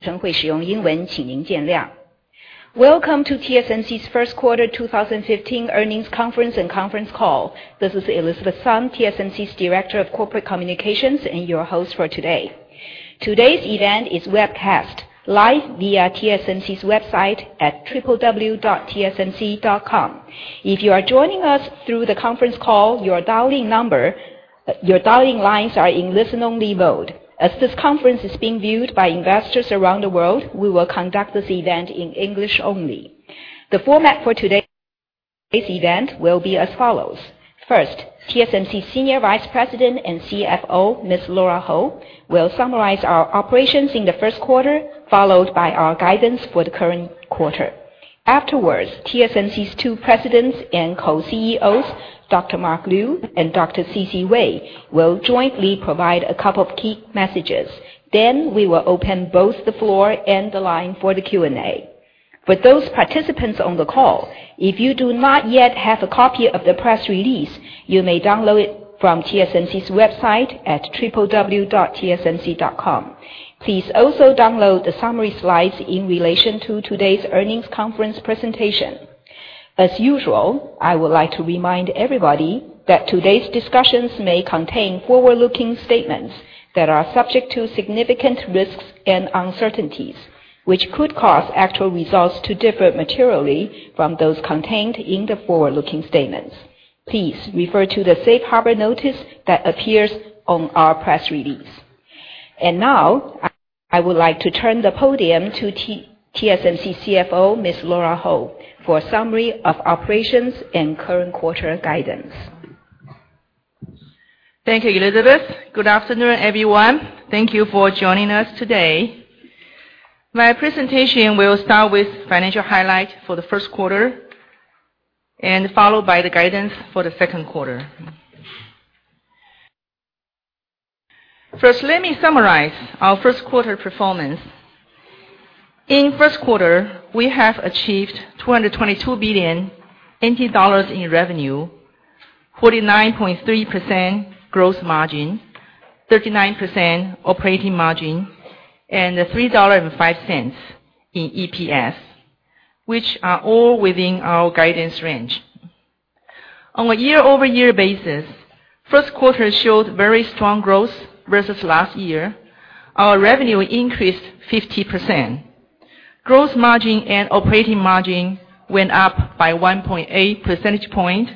will use English. Please bear with us. Welcome to TSMC's first quarter 2015 earnings conference and conference call. This is Elizabeth Sun, TSMC's Director of Corporate Communications, and your host for today. Today's event is webcast live via tsmc.com. If you are joining us through the conference call, your dialing lines are in listen-only mode. As this conference is being viewed by investors around the world, we will conduct this event in English only. The format for today's event will be as follows. First, TSMC Senior Vice President and CFO, Ms. Lora Ho, will summarize our operations in the first quarter, followed by our guidance for the current quarter. Afterwards, TSMC's two Presidents and Co-CEOs, Dr. Mark Liu and Dr. C.C. Wei, will jointly provide a couple of key messages. We will open both the floor and the line for the Q&A. For those participants on the call, if you do not yet have a copy of the press release, you may download it from TSMC's website at tsmc.com. Please also download the summary slides in relation to today's earnings conference presentation. As usual, I would like to remind everybody that today's discussions may contain forward-looking statements that are subject to significant risks and uncertainties, which could cause actual results to differ materially from those contained in the forward-looking statements. Please refer to the safe harbor notice that appears on our press release. Now, I would like to turn the podium to TSMC CFO, Ms. Lora Ho, for a summary of operations and current quarter guidance. Thank you, Elizabeth. Good afternoon, everyone. Thank you for joining us today. My presentation will start with financial highlights for the first quarter, followed by the guidance for the second quarter. First, let me summarize our first quarter performance. In first quarter, we have achieved NT$ 222 billion in revenue, 49.3% growth margin, 39% operating margin, and NT$ 3.05 in EPS, which are all within our guidance range. On a year-over-year basis, first quarter showed very strong growth versus last year. Our revenue increased 50%. Growth margin and operating margin went up by 1.8 percentage point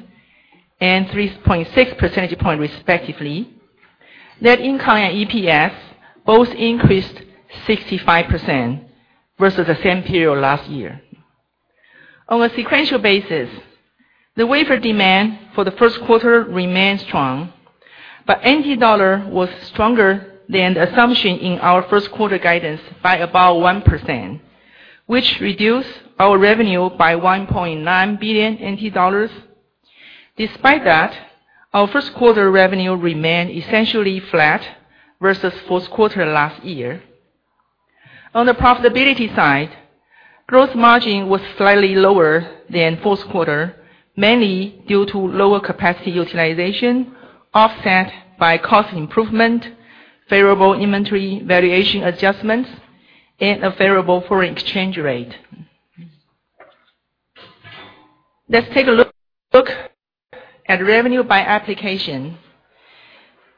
and 3.6 percentage point respectively. Net income and EPS both increased 65% versus the same period last year. On a sequential basis, the wafer demand for the first quarter remained strong, but NT dollar was stronger than the assumption in our first quarter guidance by about 1%, which reduced our revenue by NT$ 1.9 billion. Despite that, our first quarter revenue remained essentially flat versus fourth quarter last year. On the profitability side, growth margin was slightly lower than fourth quarter, mainly due to lower capacity utilization offset by cost improvement, favorable inventory valuation adjustments, and a favorable foreign exchange rate. Let's take a look at revenue by application.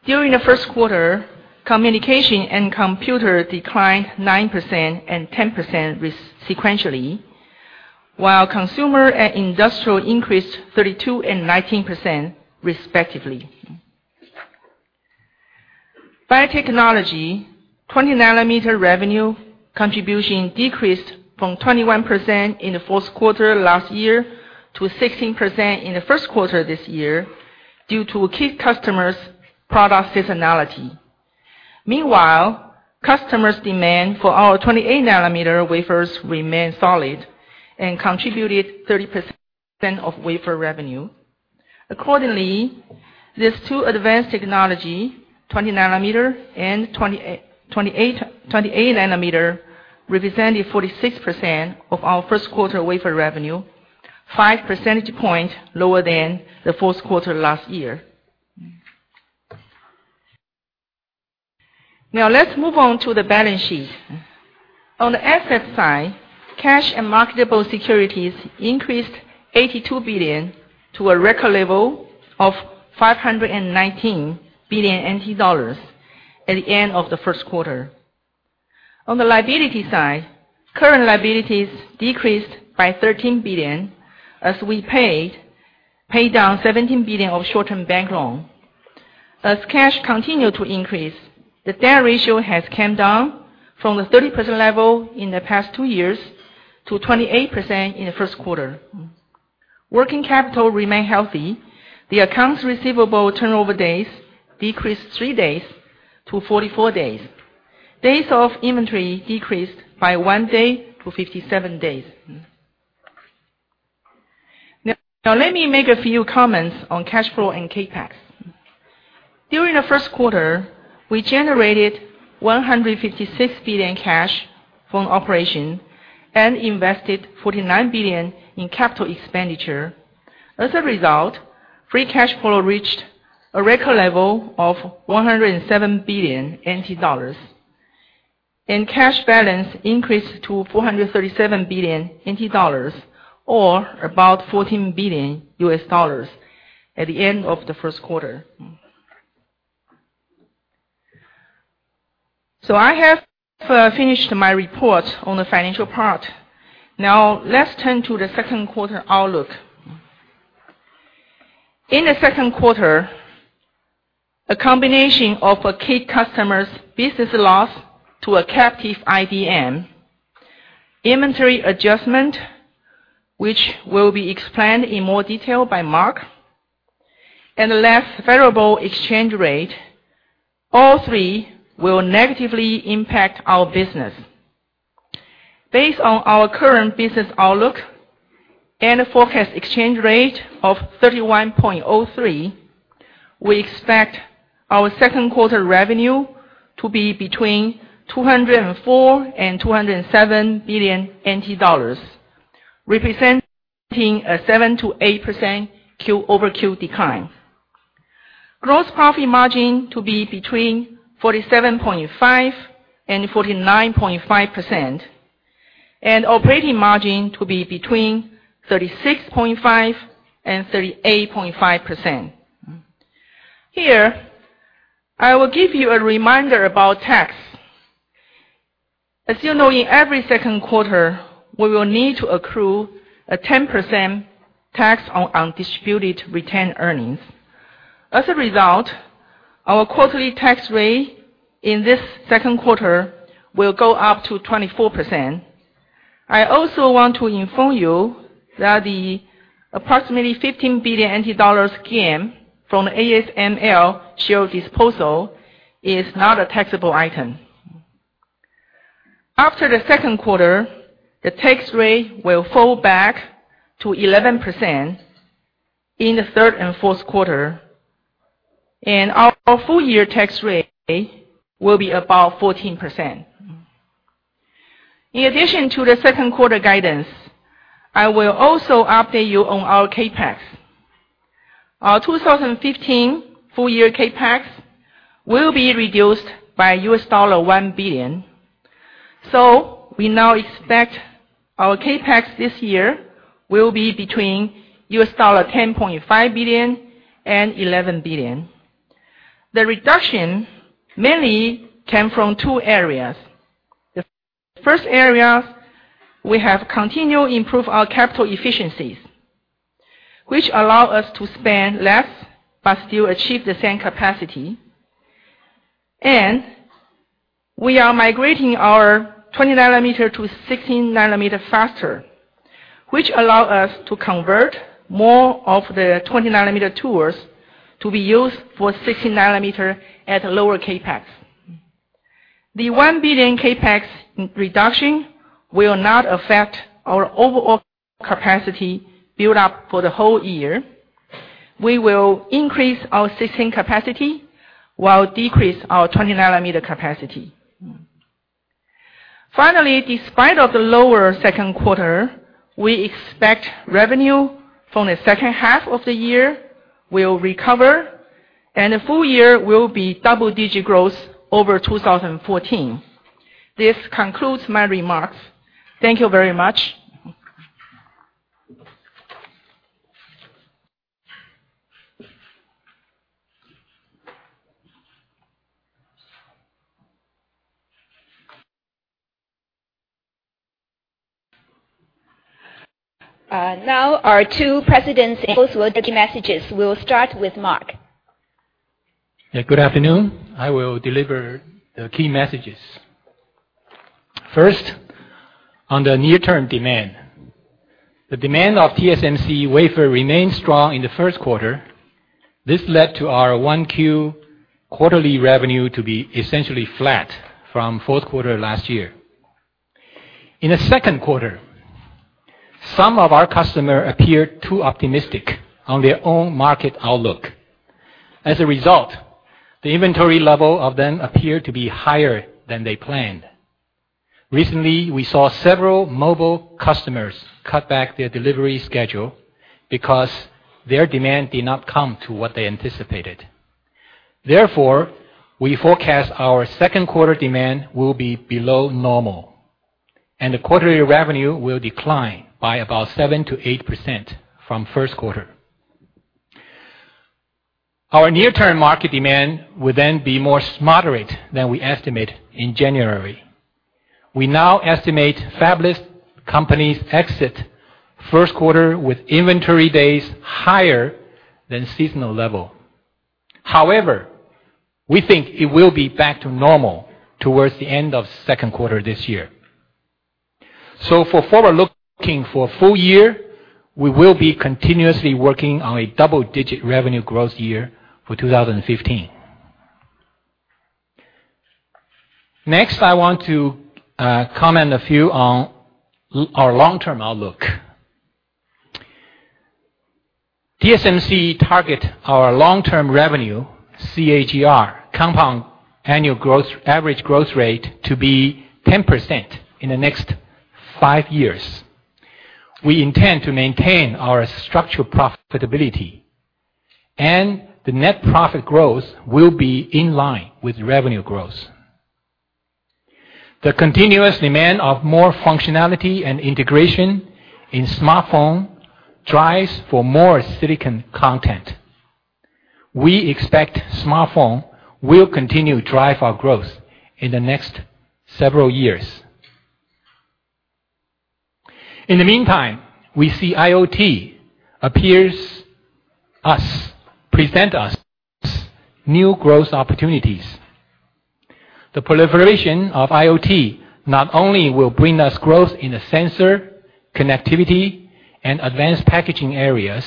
During the first quarter, communication and computer declined 9% and 10% sequentially, while consumer and industrial increased 32% and 19%, respectively. By technology, 20 nanometer revenue contribution decreased from 21% in the fourth quarter last year to 16% in the first quarter this year due to key customers' product seasonality. Meanwhile, customers' demand for our 28 nanometer wafers remained solid and contributed 30% of wafer revenue. Accordingly, these two advanced technology, 20 nanometer and 28 nanometer, represented 46% of our first quarter wafer revenue, five percentage point lower than the fourth quarter last year. Now, let's move on to the balance sheet. On the asset side, cash and marketable securities increased NT$82 billion to a record level of NT$519 billion at the end of the first quarter. On the liability side, current liabilities decreased by NT$13 billion as we paid down NT$17 billion of short-term bank loan. As cash continued to increase, the debt ratio has come down from the 30% level in the past two years to 28% in the first quarter. Working capital remained healthy. The accounts receivable turnover days decreased three days to 44 days. Days of inventory decreased by one day to 57 days. Now, let me make a few comments on CapEx and cash flow. During the first quarter, we generated NT$156 billion cash from operation and invested NT$49 billion in capital expenditure. As a result, free cash flow reached a record level of NT$107 billion. Cash balance increased to NT$437 billion or about $14 billion at the end of the first quarter. I have finished my report on the financial part. Now let's turn to the second quarter outlook. In the second quarter, a combination of a key customer's business loss to a captive IDM, inventory adjustment, which will be explained in more detail by Mark, and less favorable exchange rate, all three will negatively impact our business. Based on our current business outlook and forecast exchange rate of 31.03, we expect our second quarter revenue to be between NT$204 billion and NT$207 billion, representing a 7%-8% Q-over-Q decline. Gross profit margin to be between 47.5% and 49.5%, and operating margin to be between 36.5% and 38.5%. Here, I will give you a reminder about tax. As you know, in every second quarter, we will need to accrue a 10% tax on undisputed retained earnings. As a result, our quarterly tax rate in this second quarter will go up to 24%. I also want to inform you that the approximately NT$15 billion gain from ASML share disposal is not a taxable item. After the second quarter, the tax rate will fall back to 11% in the third and fourth quarter, and our full-year tax rate will be about 14%. In addition to the second quarter guidance, I will also update you on our CapEx. Our 2015 full-year CapEx will be reduced by $1 billion. So we now expect our CapEx this year will be between $10.5 billion-$11 billion. The reduction mainly came from two areas. The first area, we have continued improve our capital efficiencies, which allow us to spend less but still achieve the same capacity. We are migrating our 20 nanometer to 16 nanometer faster, which allow us to convert more of the 20 nanometer tools to be used for 16 nanometer at a lower CapEx. The $1 billion CapEx reduction will not affect our overall capacity build-up for the whole year. We will increase our 16 capacity while decrease our 20 nanometer capacity. Finally, despite of the lower second quarter, we expect revenue from the second half of the year will recover, and the full year will be double-digit growth over 2014. This concludes my remarks. Thank you very much. Now our two presidents will give messages. We'll start with Mark. Yeah. Good afternoon. I will deliver the key messages. First, on the near-term demand. The demand of TSMC wafer remained strong in the first quarter. This led to our 1Q quarterly revenue to be essentially flat from fourth quarter last year. In the second quarter, some of our customer appeared too optimistic on their own market outlook. As a result, the inventory level of them appeared to be higher than they planned. Recently, we saw several mobile customers cut back their delivery schedule because their demand did not come to what they anticipated. Therefore, we forecast our second quarter demand will be below normal, and the quarterly revenue will decline by about 7%-8% from first quarter. Our near-term market demand will then be more moderate than we estimate in January. We now estimate fabless companies exit first quarter with inventory days higher than seasonal level. We think it will be back to normal towards the end of second quarter this year. For forward-looking for full year, we will be continuously working on a double-digit revenue growth year for 2015. I want to comment a few on our long-term outlook. TSMC target our long-term revenue CAGR, compound Annual average growth rate to be 10% in the next five years. We intend to maintain our structural profitability, and the net profit growth will be in line with revenue growth. The continuous demand of more functionality and integration in smartphone drives for more silicon content. We expect smartphone will continue to drive our growth in the next several years. In the meantime, we see IoT present us new growth opportunities. The proliferation of IoT not only will bring us growth in the sensor, connectivity, and advanced packaging areas.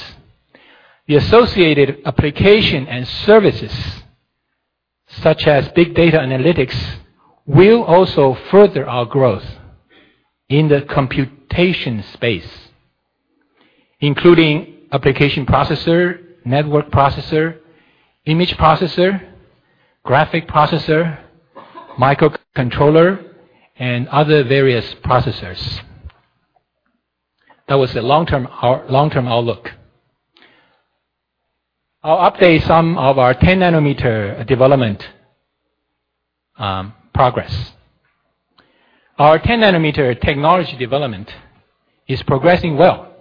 The associated application and services, such as big data analytics, will also further our growth in the computation space, including application processor, network processor, image processor, graphic processor, microcontroller, and other various processors. That was the long-term outlook. I will update some of our 10-nanometer development progress. Our 10-nanometer technology development is progressing well.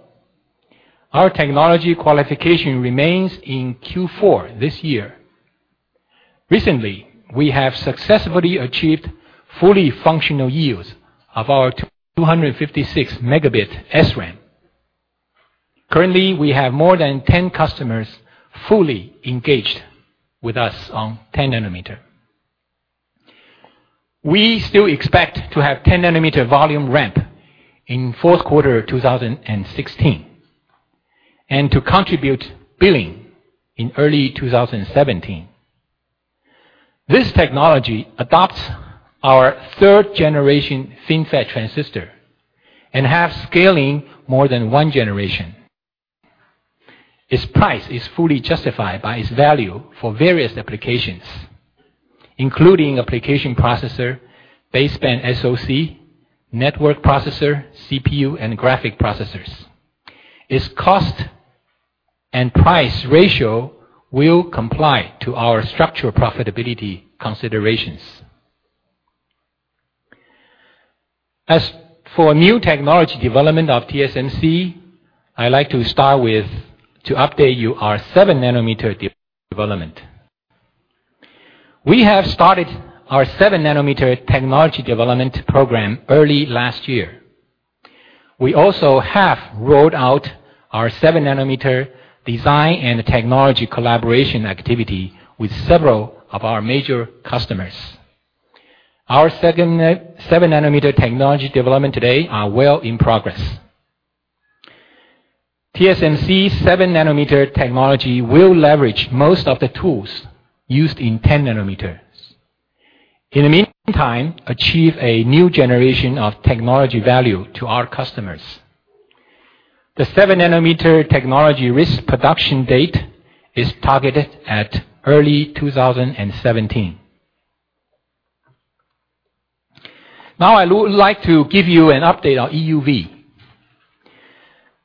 Our technology qualification remains in Q4 this year. Recently, we have successfully achieved fully functional yields of our 256-megabit SRAM. Currently, we have more than 10 customers fully engaged with us on 10-nanometer. We still expect to have 10-nanometer volume ramp in fourth quarter 2016, and to contribute billing in early 2017. This technology adopts our third-generation FinFET transistor and have scaling more than one generation. Its price is fully justified by its value for various applications, including application processor, baseband SoC, network processor, CPU, and graphic processors. Its cost and price ratio will comply to our structural profitability considerations. As for new technology development of TSMC, to update you our 7-nanometer development. We have started our 7-nanometer technology development program early last year. We also have rolled out our 7-nanometer design and technology collaboration activity with several of our major customers. Our 7-nanometer technology development today are well in progress. TSMC's 7-nanometer technology will leverage most of the tools used in 10-nanometer. In the meantime, achieve a new generation of technology value to our customers. The 7-nanometer technology risk production date is targeted at early 2017. I would like to give you an update on EUV.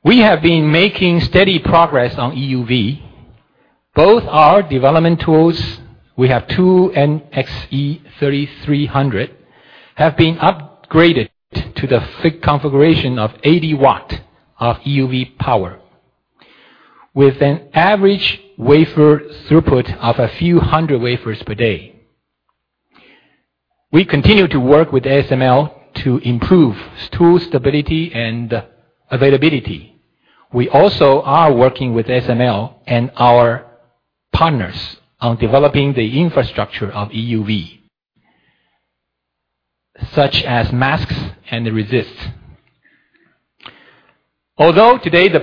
We have been making steady progress on EUV. Both our development tools, we have 2 NXE 3300, have been upgraded to the thick configuration of 80-watt of EUV power with an average wafer throughput of a few hundred wafers per day. We continue to work with ASML to improve tool stability and availability. We also are working with ASML and our partners on developing the infrastructure of EUV, such as masks and the resist. Although today the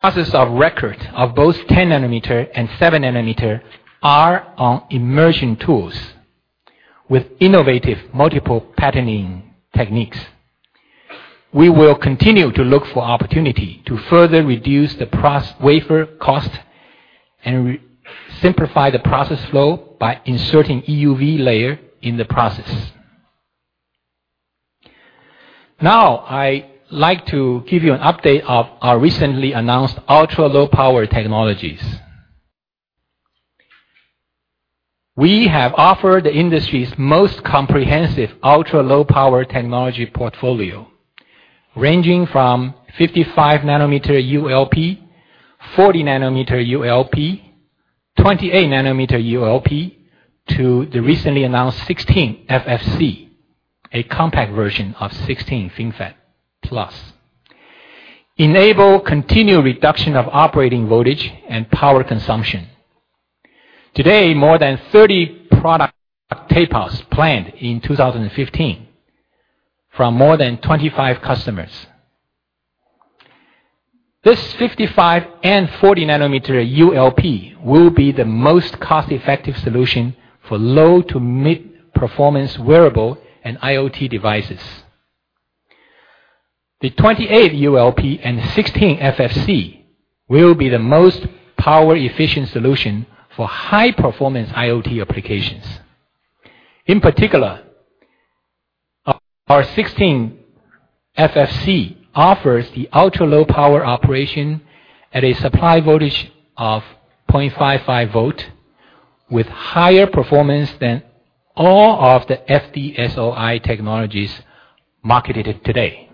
process of record of both 10-nanometer and 7-nanometer are on immersion tools with innovative multiple patterning techniques, we will continue to look for opportunity to further reduce the wafer cost and simplify the process flow by inserting EUV layer in the process. I like to give you an update of our recently announced ultra-low power technologies. We have offered the industry's most comprehensive ultra-low power technology portfolio, ranging from 55-nanometer ULP, 40-nanometer ULP, 28-nanometer ULP, to the recently announced 16FFC, a compact version of 16 FinFET+, enable continued reduction of operating voltage and power consumption. Today, more than 30 product tape-outs planned in 2015 from more than 25 customers. This 55-nanometer and 40-nanometer ULP will be the most cost-effective solution for low to mid-performance wearable and IoT devices. The 28 ULP and 16FFC will be the most power-efficient solution for high-performance IoT applications. In particular, our 16FFC offers the ultra-low power operation at a supply voltage of 0.55 volt with higher performance than all of the FDSOI technologies marketed today.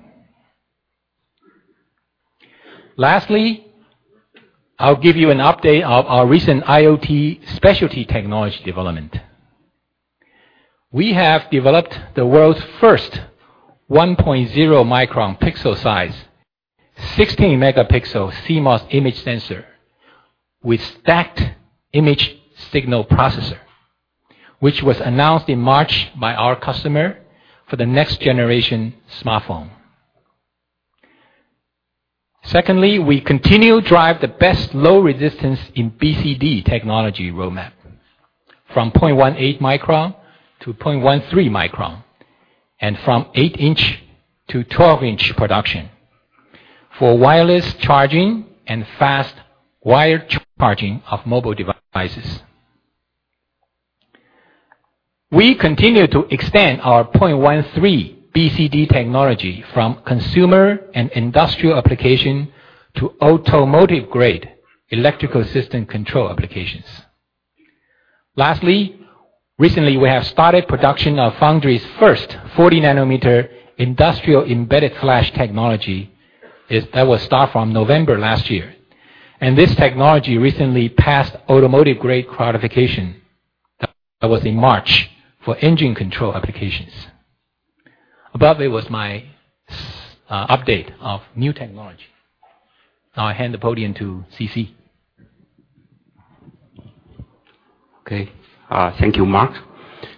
I'll give you an update of our recent IoT specialty technology development. We have developed the world's first 1.0-micron pixel size, 16-megapixel CMOS image sensor with stacked image signal processor, which was announced in March by our customer for the next generation smartphone. Secondly, we continue to drive the best low resistance in BCD technology roadmap from 0.18-micron to 0.13-micron, and from 8-inch to 12-inch production for wireless charging and fast wired charging of mobile devices. We continue to extend our 0.13 BCD technology from consumer and industrial application to automotive-grade electrical system control applications. Recently, we have started production of foundry's first 40-nanometer industrial embedded flash technology. That will start from November last year. This technology recently passed automotive-grade qualification. That was in March for engine control applications. Above there was my update of new technology. I hand the podium to C.C. Okay. Thank you, Mark.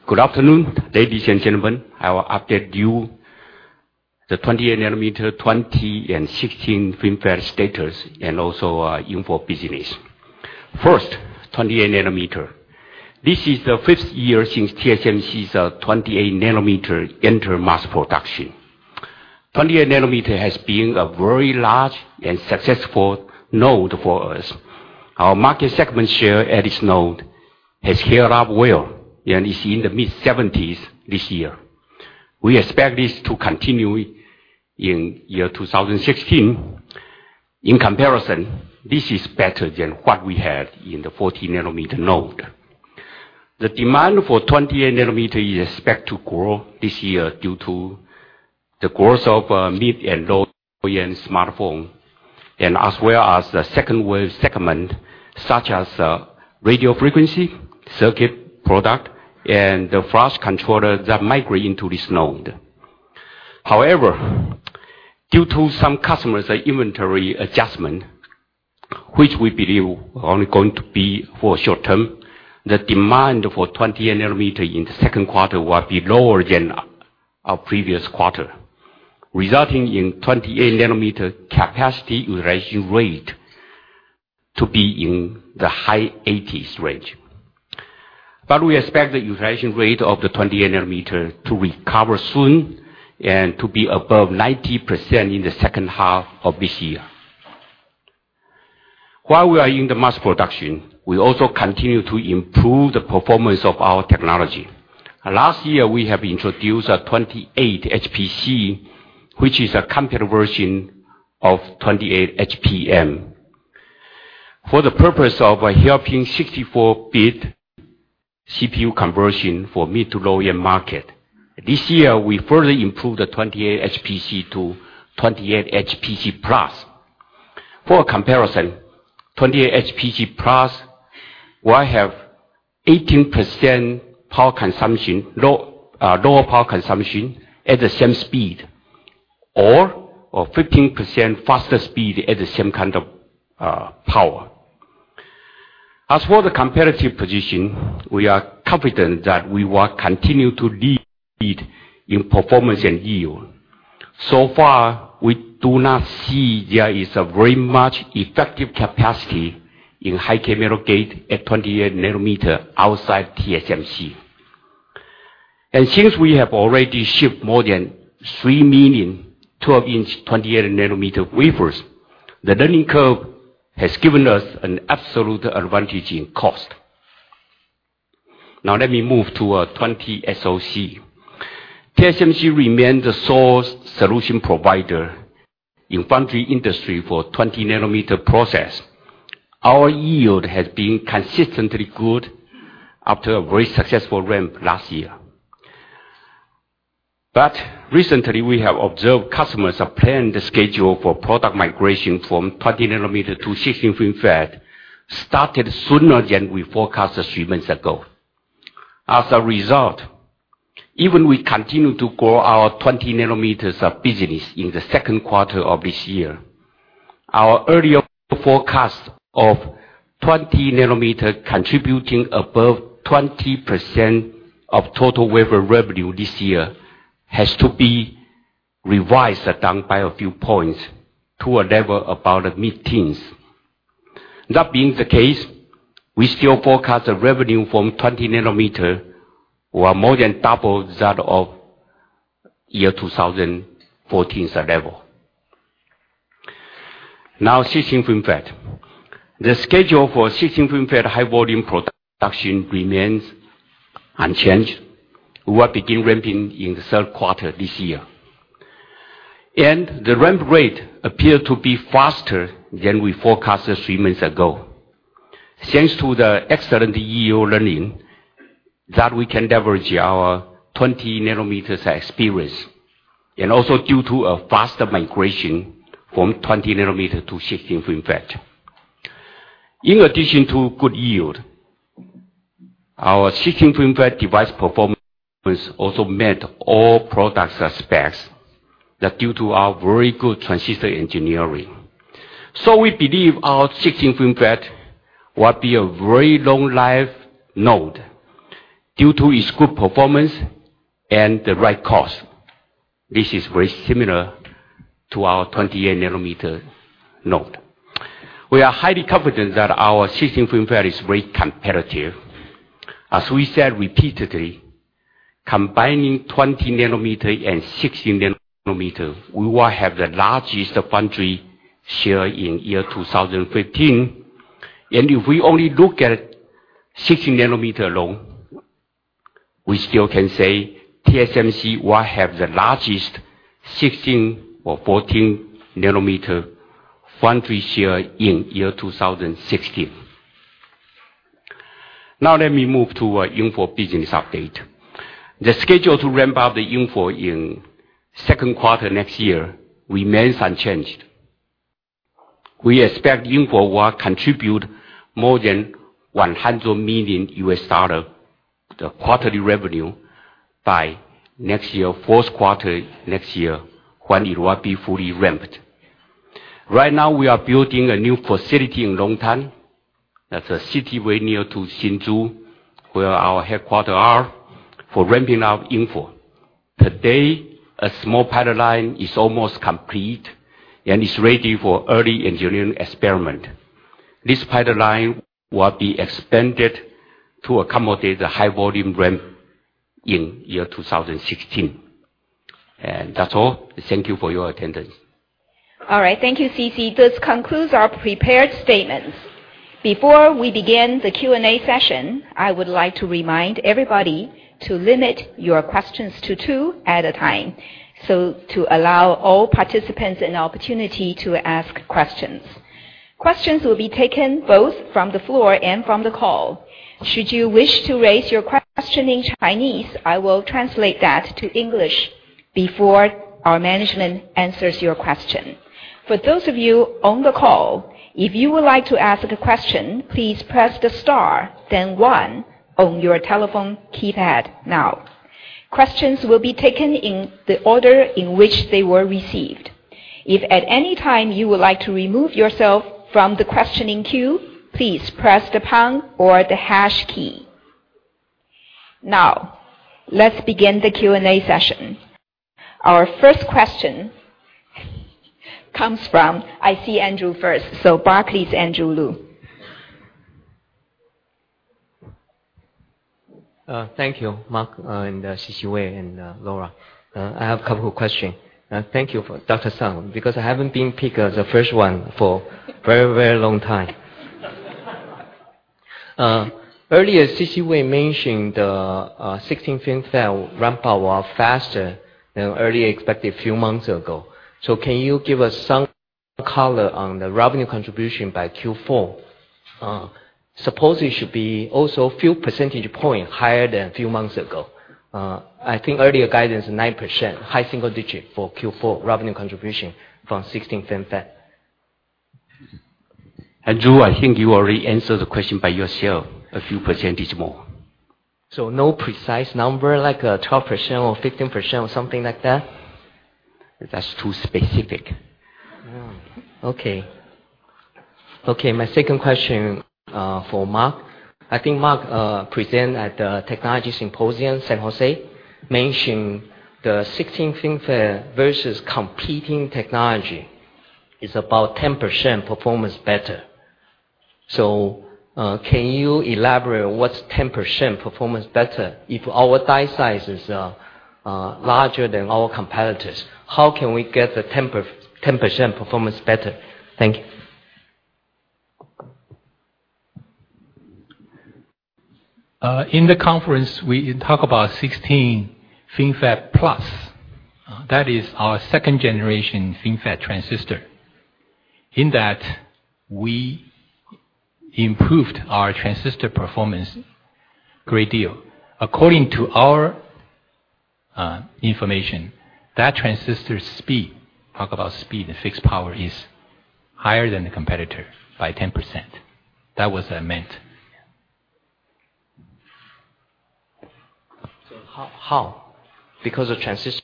Good afternoon, ladies and gentlemen. I will update you the 28-nanometer, 20-nanometer, and 16nm FinFET status and also InFO business. First, 28-nanometer. This is the fifth year since TSMC's 28-nanometer entered mass production. 28-nanometer has been a very large and successful node for us. Our market segment share at this node has scaled up well, and is in the mid-70s this year. We expect this to continue in year 2016. In comparison, this is better than what we had in the 40-nanometer node. The demand for 28-nanometer is expected to grow this year due to the growth of mid- and low-end smartphone and as well as the second-wave segment such as radio frequency, circuit product, and the flash controller that migrate into this node. Due to some customers' inventory adjustment, which we believe are only going to be for short-term, the demand for 28 nanometer in the second quarter will be lower than our previous quarter, resulting in 28 nanometer capacity utilization rate to be in the high 80s range. We expect the utilization rate of the 28 nanometer to recover soon and to be above 90% in the second half of this year. While we are in the mass production, we also continue to improve the performance of our technology. Last year, we have introduced a 28 HPC, which is a compute version of 28 HPM. For the purpose of helping 64-bit CPU conversion for mid to low-end market, this year, we further improved the 28 HPC to 28HPC+. For comparison, 28HPC+ will have 18% lower power consumption at the same speed or 15% faster speed at the same kind of power. As for the competitive position, we are confident that we will continue to lead in performance and yield. So far, we do not see there is a very much effective capacity in high at 28 nanometer outside TSMC. Since we have already shipped more than 3 million 12-inch 28 nanometer wafers, the learning curve has given us an absolute advantage in cost. Let me move to our 20nm SoC. TSMC remains the sole solution provider in foundry industry for 20 nanometer process. Our yield has been consistently good after a very successful ramp last year. Recently, we have observed customers are planning the schedule for product migration from 20 nanometer to 16nm FinFET, started sooner than we forecasted 3 months ago. As a result, even we continue to grow our 20 nanometers of business in the second quarter of this year. Our earlier forecast of 20 nanometer contributing above 20% of total wafer revenue this year has to be revised down by a few points to a level about mid-teens. That being the case, we still forecast the revenue from 20 nanometer will more than double that of year 2014's level. 16nm FinFET. The schedule for 16nm FinFET high volume production remains unchanged. We will begin ramping in the third quarter this year. The ramp rate appears to be faster than we forecasted 3 months ago. Thanks to the excellent yield learning that we can leverage our 20 nanometers experience, also due to a faster migration from 20 nanometer to 16nm FinFET. In addition to good yield, our 16nm FinFET device performance also met all product specs. That's due to our very good transistor engineering. We believe our 16nm FinFET will be a very long life node due to its good performance and the right cost. This is very similar to our 28 nanometer node. We are highly confident that our 16nm FinFET is very competitive. As we said repeatedly, combining 20 nanometer and 16 nanometer, we will have the largest foundry share in year 2015. If we only look at 16 nanometer alone, we still can say TSMC will have the largest 16 or 14 nanometer foundry share in year 2016. Let me move to InFO business update. The schedule to ramp up the InFO in second quarter next year remains unchanged. We expect InFO will contribute more than $100 million, the quarterly revenue by next year, fourth quarter next year, when it will be fully ramped. Right now, we are building a new facility in Longtan. That's a city very near to Hsinchu, where our headquarter are, for ramping up InFO. Today, a small pilot line is almost complete and is ready for early engineering experiment. This pilot line will be expanded to accommodate the high volume ramp in year 2016. That's all. Thank you for your attendance. All right. Thank you, CC. This concludes our prepared statements. Before we begin the Q&A session, I would like to remind everybody to limit your questions to two at a time, so to allow all participants an opportunity to ask questions. Questions will be taken both from the floor and from the call. Should you wish to raise your question in Chinese, I will translate that to English before our management answers your question. For those of you on the call, if you would like to ask a question, please press the star, then one on your telephone keypad now. Questions will be taken in the order in which they were received. If at any time you would like to remove yourself from the questioning queue, please press the pound or the hash key. Let's begin the Q&A session. Our first question comes from I see Andrew first, so Barclays, Andrew Lu. Thank you, Mark and C.C. Wei and Lora. I have a couple of question. Thank you for Dr. Sun, because I haven't been picked as the first one for very, very long time. Earlier, C.C. Wei mentioned the 16nm FinFET ramp up was faster than earlier expected few months ago. Can you give us some color on the revenue contribution by Q4? Suppose it should be also few percentage point higher than a few months ago. I think earlier guidance, 9%, high single digit for Q4 revenue contribution from 16nm FinFET. Andrew, I think you already answered the question by yourself, a few % more. No precise number like 12% or 15% or something like that? That's too specific. Okay. My second question for Mark. I think Mark present at the technology symposium, San Jose, mentioned the 16nm FinFET versus competing technology is about 10% performance better. Can you elaborate what's 10% performance better? If our die size is larger than our competitors, how can we get the 10% performance better? Thank you. In the conference, we talk about 16 FinFET+. That is our second generation FinFET transistor. In that, we improved our transistor performance great deal. According to our information, that transistor speed, talk about speed and fixed power, is higher than the competitor by 10%. That was meant. How? Because of transistor?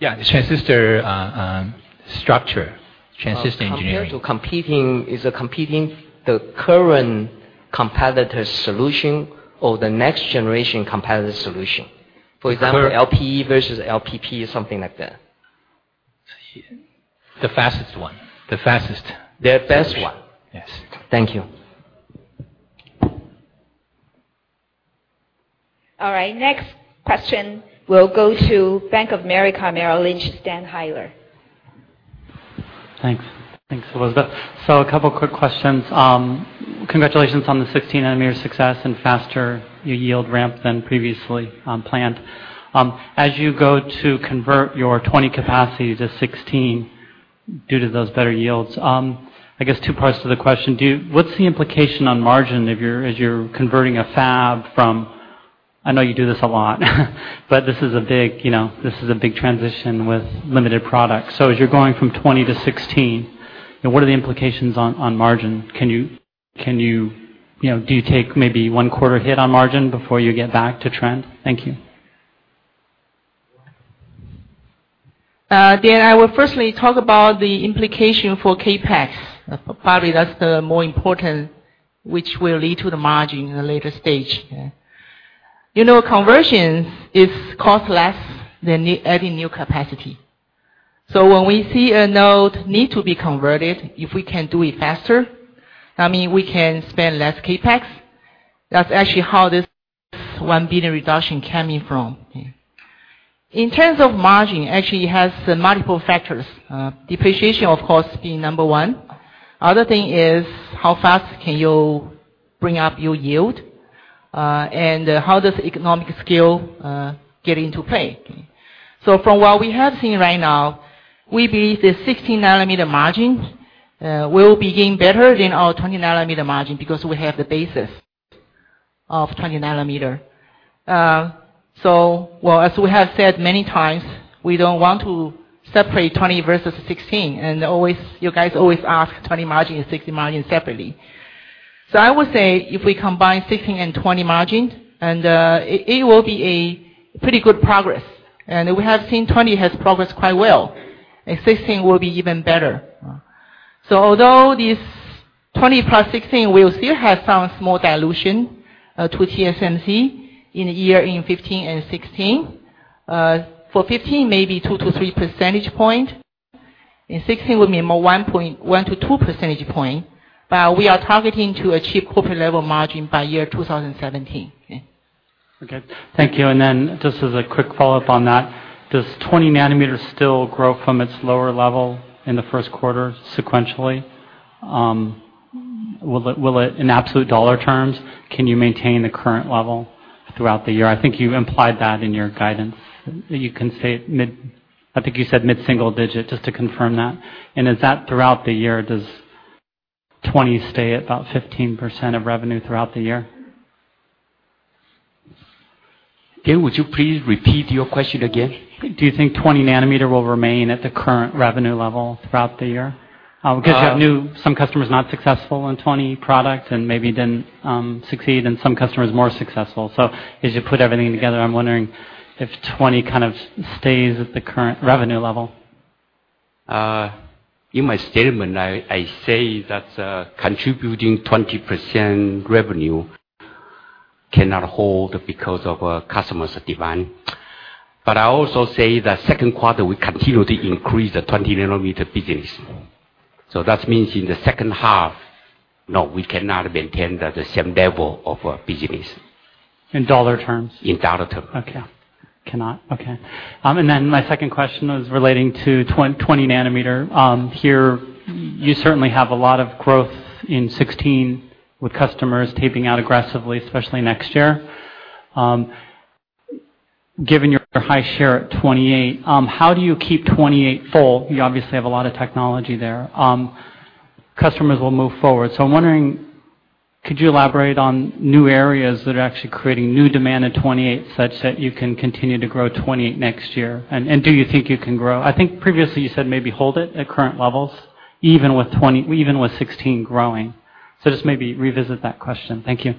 Yeah, transistor structure, transistor engineering. Compared to competing, is it competing the current competitor's solution or the next generation competitor's solution? For example, LPE versus LPP, something like that. The fastest one. The fastest. Their best one. Yes. Thank you. All right, next question will go to Bank of America Merrill Lynch, Dan Heyler. Thanks, Elizabeth. A couple of quick questions. Congratulations on the 16-nanometer success and faster yield ramp than previously planned. As you go to convert your 20 capacity to 16 due to those better yields, I guess two parts to the question. What's the implication on margin as you're converting a fab from I know you do this a lot, but this is a big transition with limited products. As you're going from 20 to 16, what are the implications on margin? Do you take maybe one quarter hit on margin before you get back to trend? Thank you. Dan, I will firstly talk about the implication for CapEx. Probably that's the more important, which will lead to the margin in the later stage. Conversions, it cost less than adding new capacity. When we see a node need to be converted, if we can do it faster, that mean we can spend less CapEx. That's actually how this 1 billion reduction coming from. In terms of margin, actually, it has multiple factors. Depreciation, of course, being number one. Other thing is how fast can you bring up your yield? How does economic scale, get into play? From what we have seen right now, we believe the 16-nanometer margin will be getting better than our 20-nanometer margin because we have the basis of 20-nanometer. As we have said many times, we don't want to separate 20 versus 16, and you guys always ask 20 margin and 16 margin separately. I would say if we combine 16 and 20 margin, it will be a pretty good progress. We have seen 20 has progressed quite well, and 16 will be even better. Although this 20 plus 16 will still have some small dilution to TSMC in year 2015 and 2016. For 2015, maybe 2-3 percentage points. In 2016, will be more 1-2 percentage points. We are targeting to achieve corporate level margin by year 2017. Okay. Thank you. Just as a quick follow-up on that, does 20 nanometers still grow from its lower level in the first quarter sequentially? In absolute TWD terms, can you maintain the current level throughout the year? I think you implied that in your guidance. I think you said mid-single digit, just to confirm that. Is that throughout the year? Does 20 stay at about 15% of revenue throughout the year? Dan, would you please repeat your question again? Do you think 20-nanometer will remain at the current revenue level throughout the year? You have some customers not successful on 20 products and maybe didn't succeed, and some customers more successful. As you put everything together, I'm wondering if 20 kind of stays at the current revenue level. In my statement, I say that contributing 20% revenue cannot hold because of customers' demand. I also say that second quarter, we continue to increase the 20-nanometer business. That means in the second half, no, we cannot maintain the same level of business. In TWD terms? In dollar terms. Okay. Cannot. Okay. My second question was relating to 20 nanometer. Here, you certainly have a lot of growth in 16 with customers taping out aggressively, especially next year. Given your high share at 28, how do you keep 28 full? You obviously have a lot of technology there. Customers will move forward. I am wondering, could you elaborate on new areas that are actually creating new demand at 28 such that you can continue to grow 28 next year? Do you think you can grow? I think previously you said maybe hold it at current levels, even with 16 growing. Just maybe revisit that question. Thank you.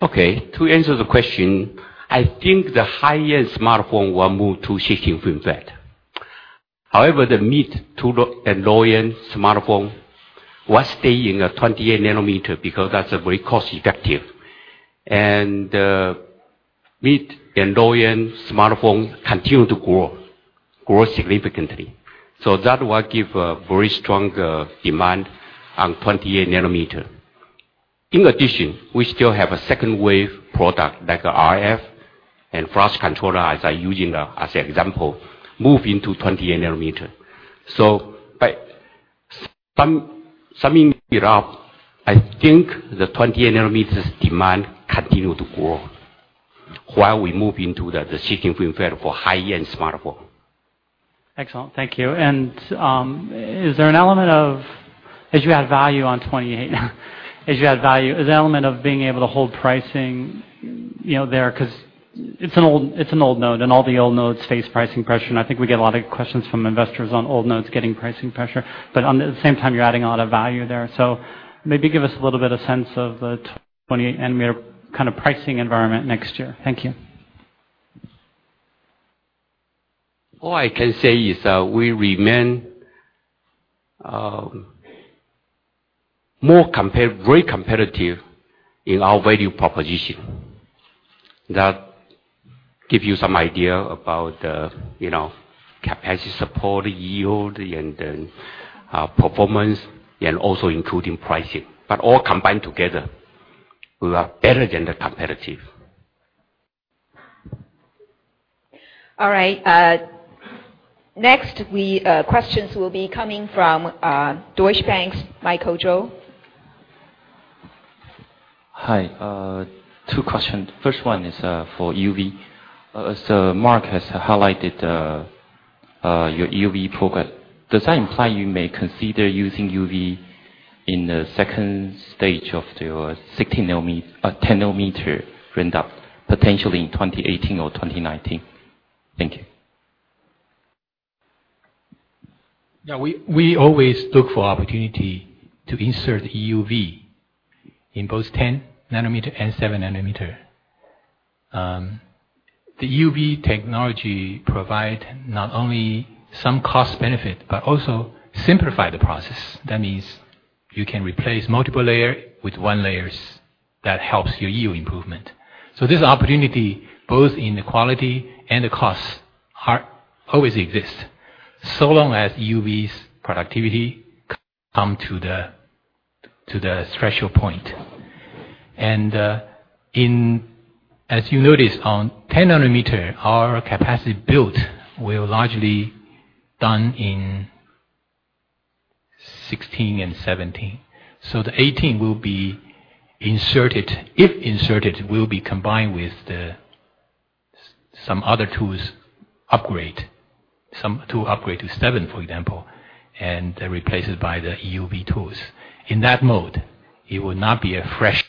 Okay. To answer the question, I think the high-end smartphone will move to 16nm FinFET. However, the mid to low-end smartphone will stay in the 28 nanometer because that's very cost-effective. Mid and low-end smartphone continue to grow significantly. That will give a very strong demand on 28 nanometer. In addition, we still have a second-wave product like RF and flash controller, as I using as example, move into 28 nanometer. Summing it up, I think the 28 nanometer's demand continue to grow while we move into the 16nm FinFET for high-end smartphone. Excellent. Thank you. As you add value on 28, is the element of being able to hold pricing there, because it's an old node, and all the old nodes face pricing pressure, and I think we get a lot of questions from investors on old nodes getting pricing pressure. At the same time, you're adding a lot of value there. Maybe give us a little bit of sense of the 28 nanometer kind of pricing environment next year. Thank you. All I can say is that we remain More very competitive in our value proposition. That give you some idea about the capacity support, yield, and the performance, and also including pricing. All combined together, we are better than the competitive. All right. Next, questions will be coming from Deutsche Bank's Michael Chou. Hi. Two questions. First one is for EUV. Mark has highlighted your EUV progress. Does that imply you may consider using EUV in the second stage of your 10-nanometer ramp-up, potentially in 2018 or 2019? Thank you. We always look for opportunity to insert EUV in both 10-nanometer and 7-nanometer. The EUV technology provide not only some cost benefit, but also simplify the process. That means you can replace multiple layer with one layers that helps your yield improvement. This opportunity, both in the quality and the cost, always exist, so long as EUV's productivity come to the threshold point. As you notice, on 10-nanometer, our capacity built were largely done in 2016 and 2017. The 2018, if inserted, will be combined with some other tools upgrade, some tool upgrade to 7, for example, and replaced by the EUV tools. In that mode, it would not be a fresh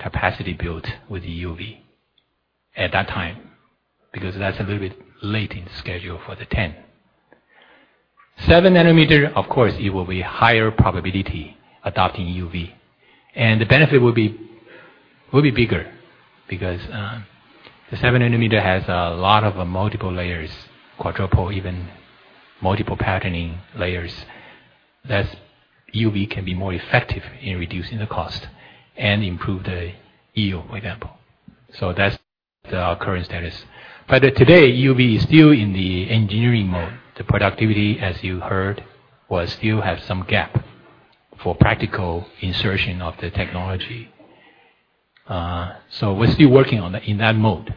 capacity built with EUV at that time, because that's a little bit late in schedule for the 10. 7-nanometer, of course, it will be higher probability adopting EUV, and the benefit will be bigger because the 7-nanometer has a lot of multiple layers, quadruple even, multiple patterning layers. EUV can be more effective in reducing the cost and improve the yield, for example. That's our current status. Today, EUV is still in the engineering mode. The productivity, as you heard, still have some gap for practical insertion of the technology. We're still working on in that mode.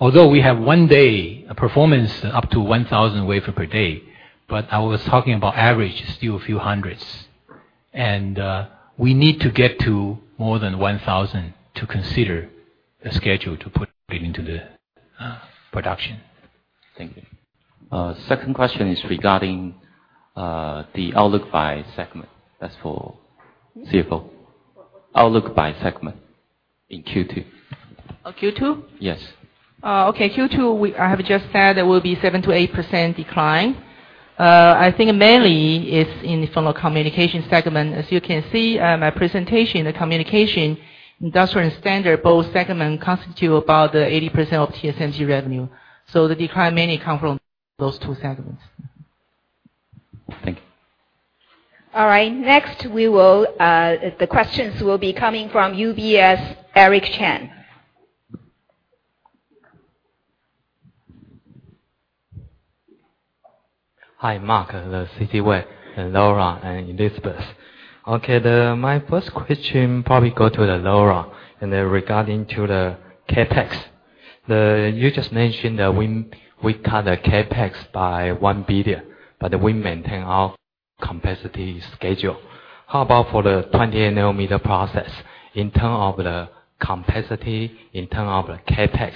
Although we have one day, a performance up to 1,000 wafer per day, but I was talking about average, still a few hundreds. We need to get to more than 1,000 to consider the schedule to put it into the production. Thank you. Second question is regarding the outlook by segment. That's for CFO. Outlook by segment in Q2. On Q2? Yes. Okay. Q2, I have just said there will be 7%-8% decline. I think mainly it's from a communication segment. As you can see, my presentation, the communication, industrial, and standard, both segment constitute about 80% of TSMC revenue. The decline mainly come from those two segments. Thank you. All right. Next, the questions will be coming from UBS, Eric Chen. Hi, Mark, C. C. Wei, Lora, and Elizabeth. Okay. My first question probably go to Lora, regarding to the CapEx. You just mentioned that we cut the CapEx by 1 billion, we maintain our capacity schedule. How about for the 28 nanometer process in terms of the capacity, in terms of the CapEx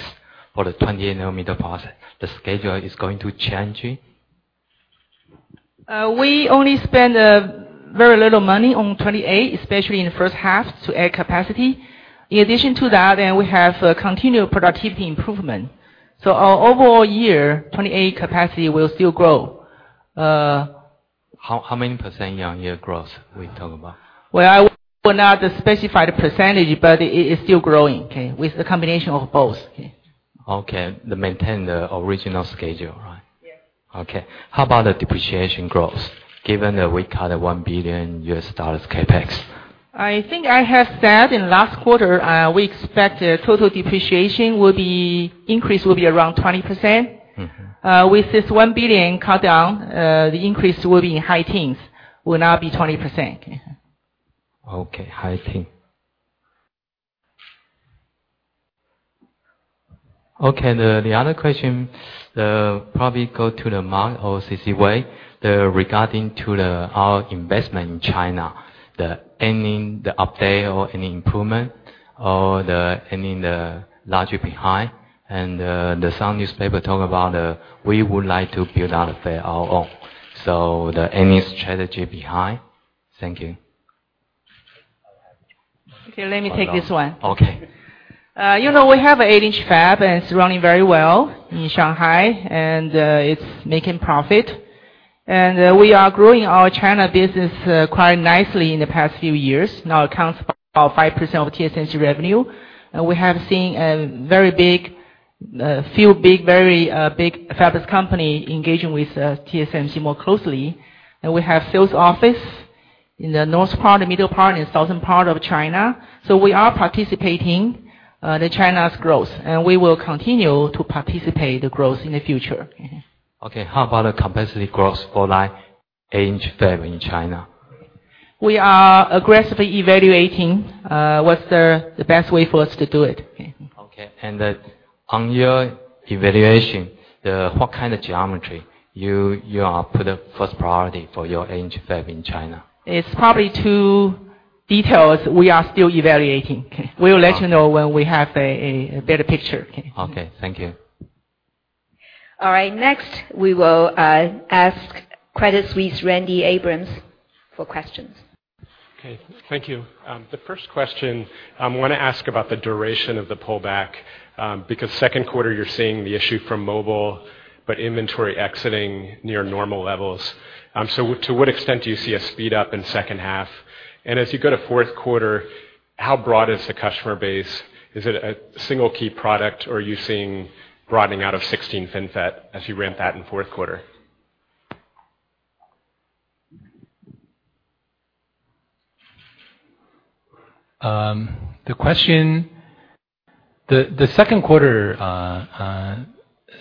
for the 28 nanometer process? The schedule is going to change it? We only spend very little money on 28, especially in the first half, to add capacity. In addition to that, we have continued productivity improvement. Our overall year, 28 capacity will still grow. How many % year-over-year growth we talk about? Well, we will not specify the %, it is still growing, okay? With the combination of both. Okay. Okay. Maintain the original schedule, right? Yes. Okay. How about the depreciation growth, given that we cut TWD 1 billion CapEx? I think I have said in last quarter, we expect total depreciation increase will be around 20%. With this 1 billion cut down, the increase will be in high teens, will not be 20%. Okay. High teen. Okay. The other question, probably go to Mark or C.C. Wei, regarding to our investment in China, any update or any improvement or any logic behind. The some newspaper talk about we would like to build out a fab our own. Any strategy behind? Thank you. Okay, let me take this one. Okay. We have an eight-inch fab, it's running very well in Shanghai, and it's making profit. We are growing our China business quite nicely in the past few years, now accounts for about 5% of TSMC revenue. We have seen a few very big fabless company engaging with TSMC more closely. We have sales office in the north part, the middle part, and southern part of China. We are participating the China's growth, and we will continue to participate the growth in the future. Okay. How about the capacity growth for like Hsinchu fab in China? We are aggressively evaluating what's the best way for us to do it. On your evaluation, what kind of geometry you put a first priority for your Hsinchu fab in China? It's probably too detailed. We are still evaluating. Okay. We will let you know when we have a better picture. Okay. Okay. Thank you. All right. Next, we will ask Credit Suisse, Randy Abrams for questions. Okay. Thank you. The first question, I want to ask about the duration of the pullback, because second quarter you're seeing the issue from mobile, but inventory exiting near normal levels. To what extent do you see a speed up in second half? As you go to fourth quarter, how broad is the customer base? Is it a single key product, or are you seeing broadening out of 16nm FinFET as you ramp that in fourth quarter? The second quarter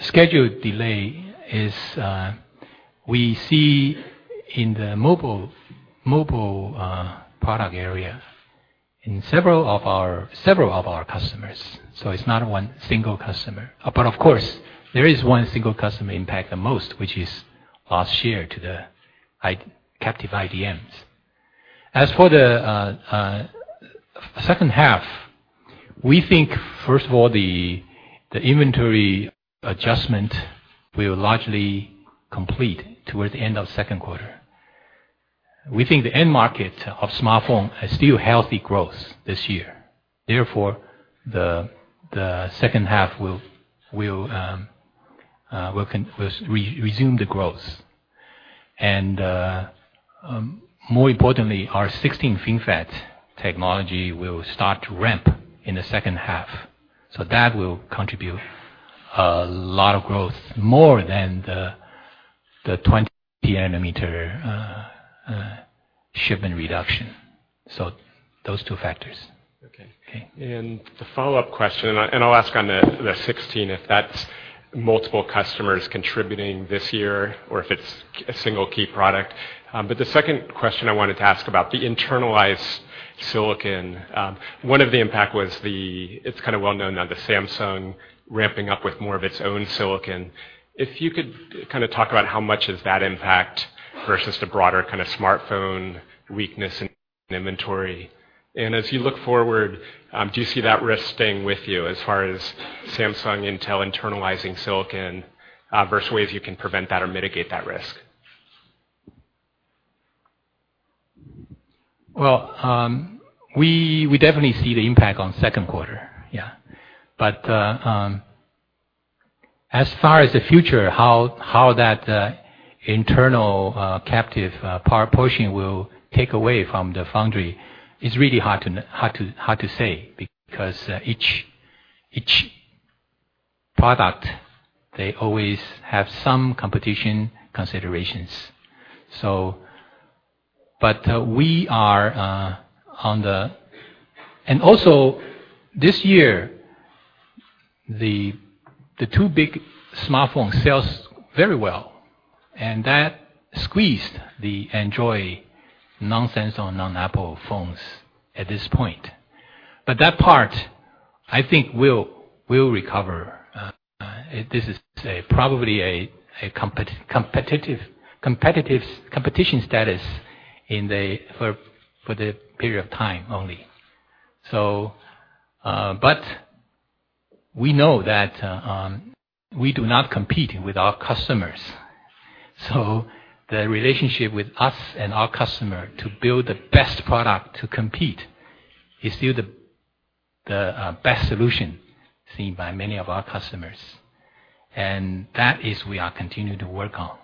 scheduled delay is, we see in the mobile product area in several of our customers. It's not one single customer. Of course, there is one single customer impact the most, which is last year to the captive IDMs. As for the second half, we think, first of all, the inventory adjustment will largely complete towards the end of second quarter. We think the end market of smartphone is still healthy growth this year. Therefore, the second half will resume the growth. More importantly, our 16nm FinFET technology will start to ramp in the second half. That will contribute a lot of growth, more than the 20 nanometer shipment reduction. Those two factors. Okay. Okay. The follow-up question, I'll ask on the 16, if that's multiple customers contributing this year or if it's a single key product. The second question I wanted to ask about the internalized silicon. One of the impact was, it's kind of well-known now, the Samsung ramping up with more of its own silicon. If you could kind of talk about how much does that impact versus the broader kind of smartphone weakness in inventory. As you look forward, do you see that risk staying with you as far as Samsung Intel internalizing silicon, versus ways you can prevent that or mitigate that risk? Well, we definitely see the impact on second quarter, yeah. As far as the future, how that internal captive portion will take away from the foundry, it's really hard to say, because each product, they always have some competition considerations. This year, the two big smartphone sells very well, and that squeezed the Android non-Samsung, non-Apple phones at this point. That part, I think will recover. This is probably a competition status for the period of time only. We know that we do not compete with our customers. The relationship with us and our customer to build the best product to compete is still the best solution seen by many of our customers, and that is we are continuing to work on.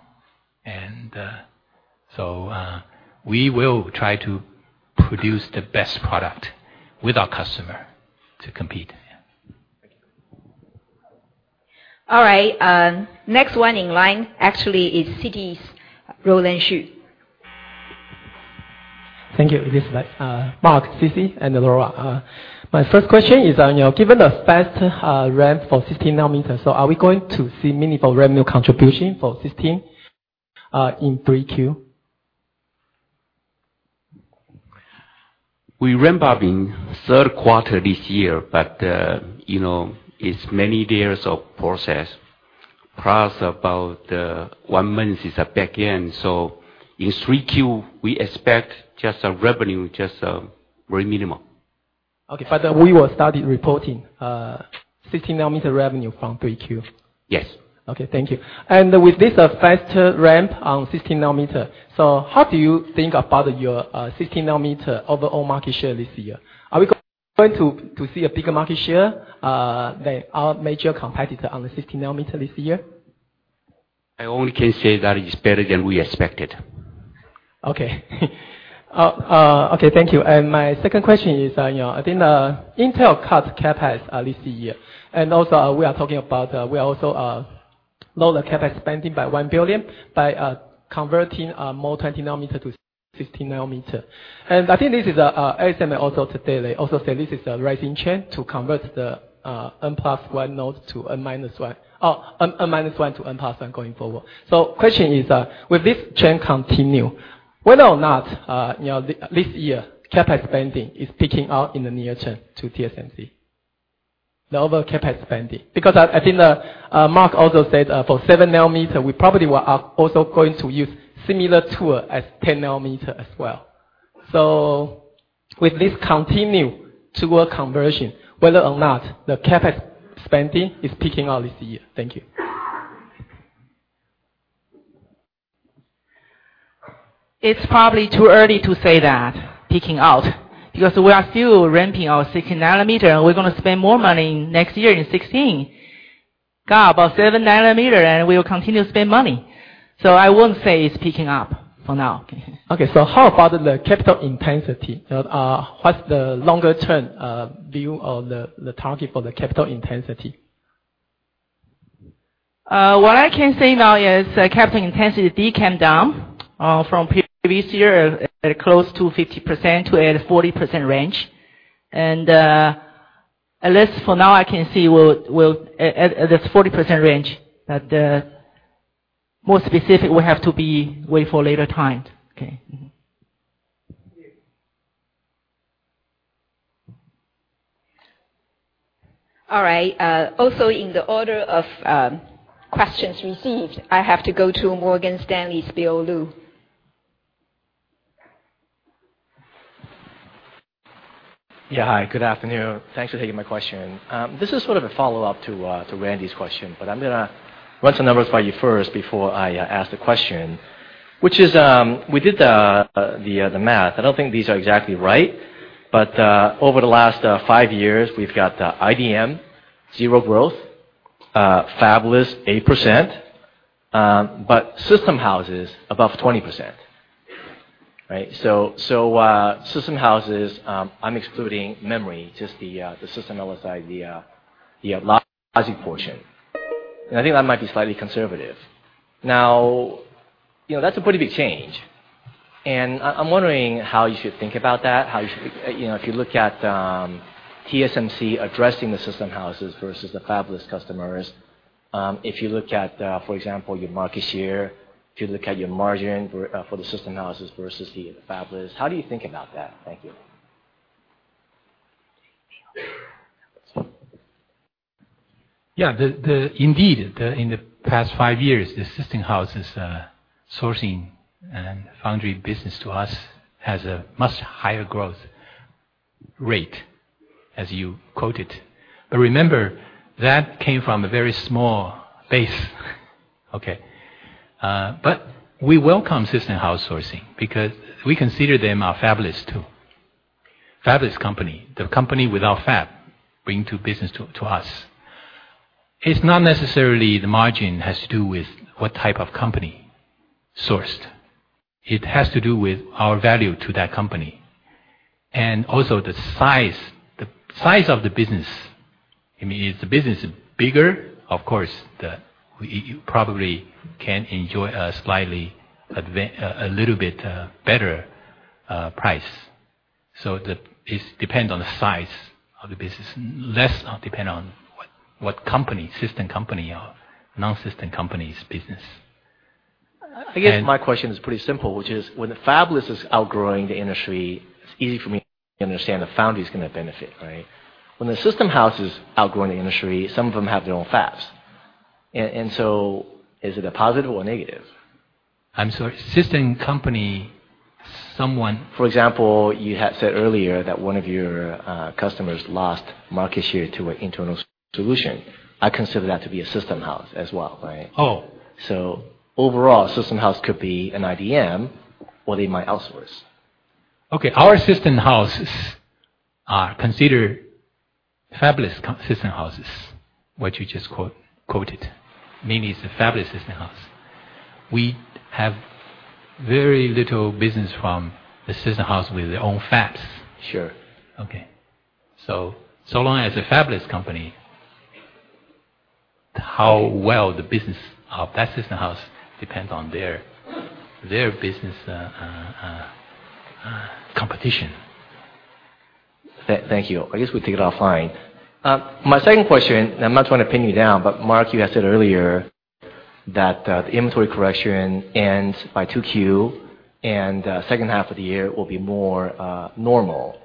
We will try to produce the best product with our customer to compete, yeah. Thank you. All right. Next one in line actually is Citi's Roland Shu. Thank you. It is like Mark, C.C., and Lora. My first question is on, given the fast ramp for 16 nanometers, so are we going to see meaningful revenue contribution for 16 in 3Q? We ramp up in third quarter this year, but it's many layers of process. About one month is a back end. In 3Q, we expect just a revenue, just very minimal. We will start reporting 16 nanometer revenue from 3Q? Yes. Okay. Thank you. With this faster ramp on 16 nanometer, how do you think about your 16 nanometer overall market share this year? Are we going to see a bigger market share than our major competitor on the 16 nanometer this year? I only can say that it is better than we expected. Okay. Okay, thank you. My second question is, I think Intel cut CapEx this year. Also we also lower CapEx spending by 1 billion by converting more 20 nanometer to 16 nanometer. I think this is ASML also today, they also say this is a rising trend to convert the [N−1 and N nodes to N+1 nodes] going forward. Question is, will this trend continue? Whether or not, this year, CapEx spending is peaking out in the near term to TSMC, the overall CapEx spending. Because I think Mark also said for 7 nanometer, we probably will also going to use similar tool as 10 nanometer as well. With this continued tool conversion, whether or not the CapEx spending is peaking out this year. Thank you. It's probably too early to say that, peaking out. We are still ramping our 16 nanometer, and we're going to spend more money next year in 2016. About 7 nanometer, and we will continue to spend money. I won't say it's peaking up for now. Okay. How about the capital intensity? What's the longer-term view or the target for the capital intensity? What I can say now is capital intensity did come down from previous year at close to 50% to a 40% range. At least for now, I can say we'll be at this 40% range. More specific will have to wait for later time. Okay. Mm-hmm. Thank you. All right. In the order of questions received, I have to go to Morgan Stanley's Bill Lu. Yeah, hi. Good afternoon. Thanks for taking my question. This is sort of a follow-up to Randy Abrams' question. I'm going to run some numbers by you first before I ask the question. Which is, we did the math. I don't think these are exactly right, over the last five years, we've got IDM, zero growth. Fabless, 8%. System houses above 20%. Right? System houses, I'm excluding memory, just the system LSI, the logic portion. I think that might be slightly conservative. Now, that's a pretty big change. I'm wondering how you should think about that. If you look at TSMC addressing the system houses versus the fabless customers. If you look at, for example, your market share, if you look at your margin for the system houses versus the fabless, how do you think about that? Thank you. Yeah. Indeed, in the past five years, the system houses sourcing and foundry business to us has a much higher growth rate, as you quoted. Remember, that came from a very small base. Okay. We welcome system house sourcing because we consider them our fabless, too. Fabless company, the company without fab, bring business to us. It's not necessarily the margin has to do with what type of company sourced. It has to do with our value to that company. Also the size of the business. If the business is bigger, of course, you probably can enjoy a slightly, a little bit better price. It depends on the size of the business, less depend on what company, system company or non-system company's business. I guess my question is pretty simple, which is, when the fabless is outgrowing the industry, it's easy for me to understand the foundry's going to benefit, right? When the system house is outgrowing the industry, some of them have their own fabs. Is it a positive or a negative? I'm sorry. System company, someone- For example, you had said earlier that one of your customers lost market share to an internal solution. I consider that to be a system house as well, right? Oh. Overall, system house could be an IDM, or they might outsource. Okay. Our system houses are considered fabless system houses, what you just quoted. Meaning it's a fabless system house. We have very little business from the system house with their own fabs. Sure. So long as a fabless company, how well the business of that system house depends on their business competition. Thank you. I guess we take it offline. My second question, I'm not trying to pin you down, Mark, you had said earlier that the inventory correction ends by 2Q, second half of the year will be more normal.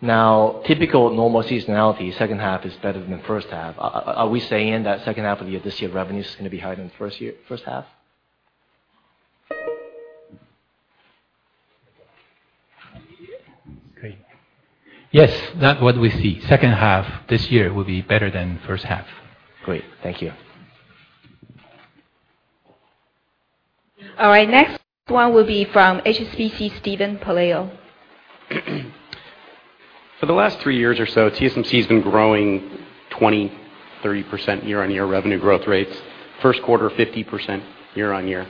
Now, typical normal seasonality, second half is better than first half. Are we saying that second half of this year, revenue is going to be higher than first half? Great. Yes. That what we see. Second half this year will be better than first half. Great. Thank you. All right. Next one will be from HSBC, Steven Pelayo. For the last three years or so, TSMC has been growing 20%, 30% year-on-year revenue growth rates. First quarter, 50% year-on-year.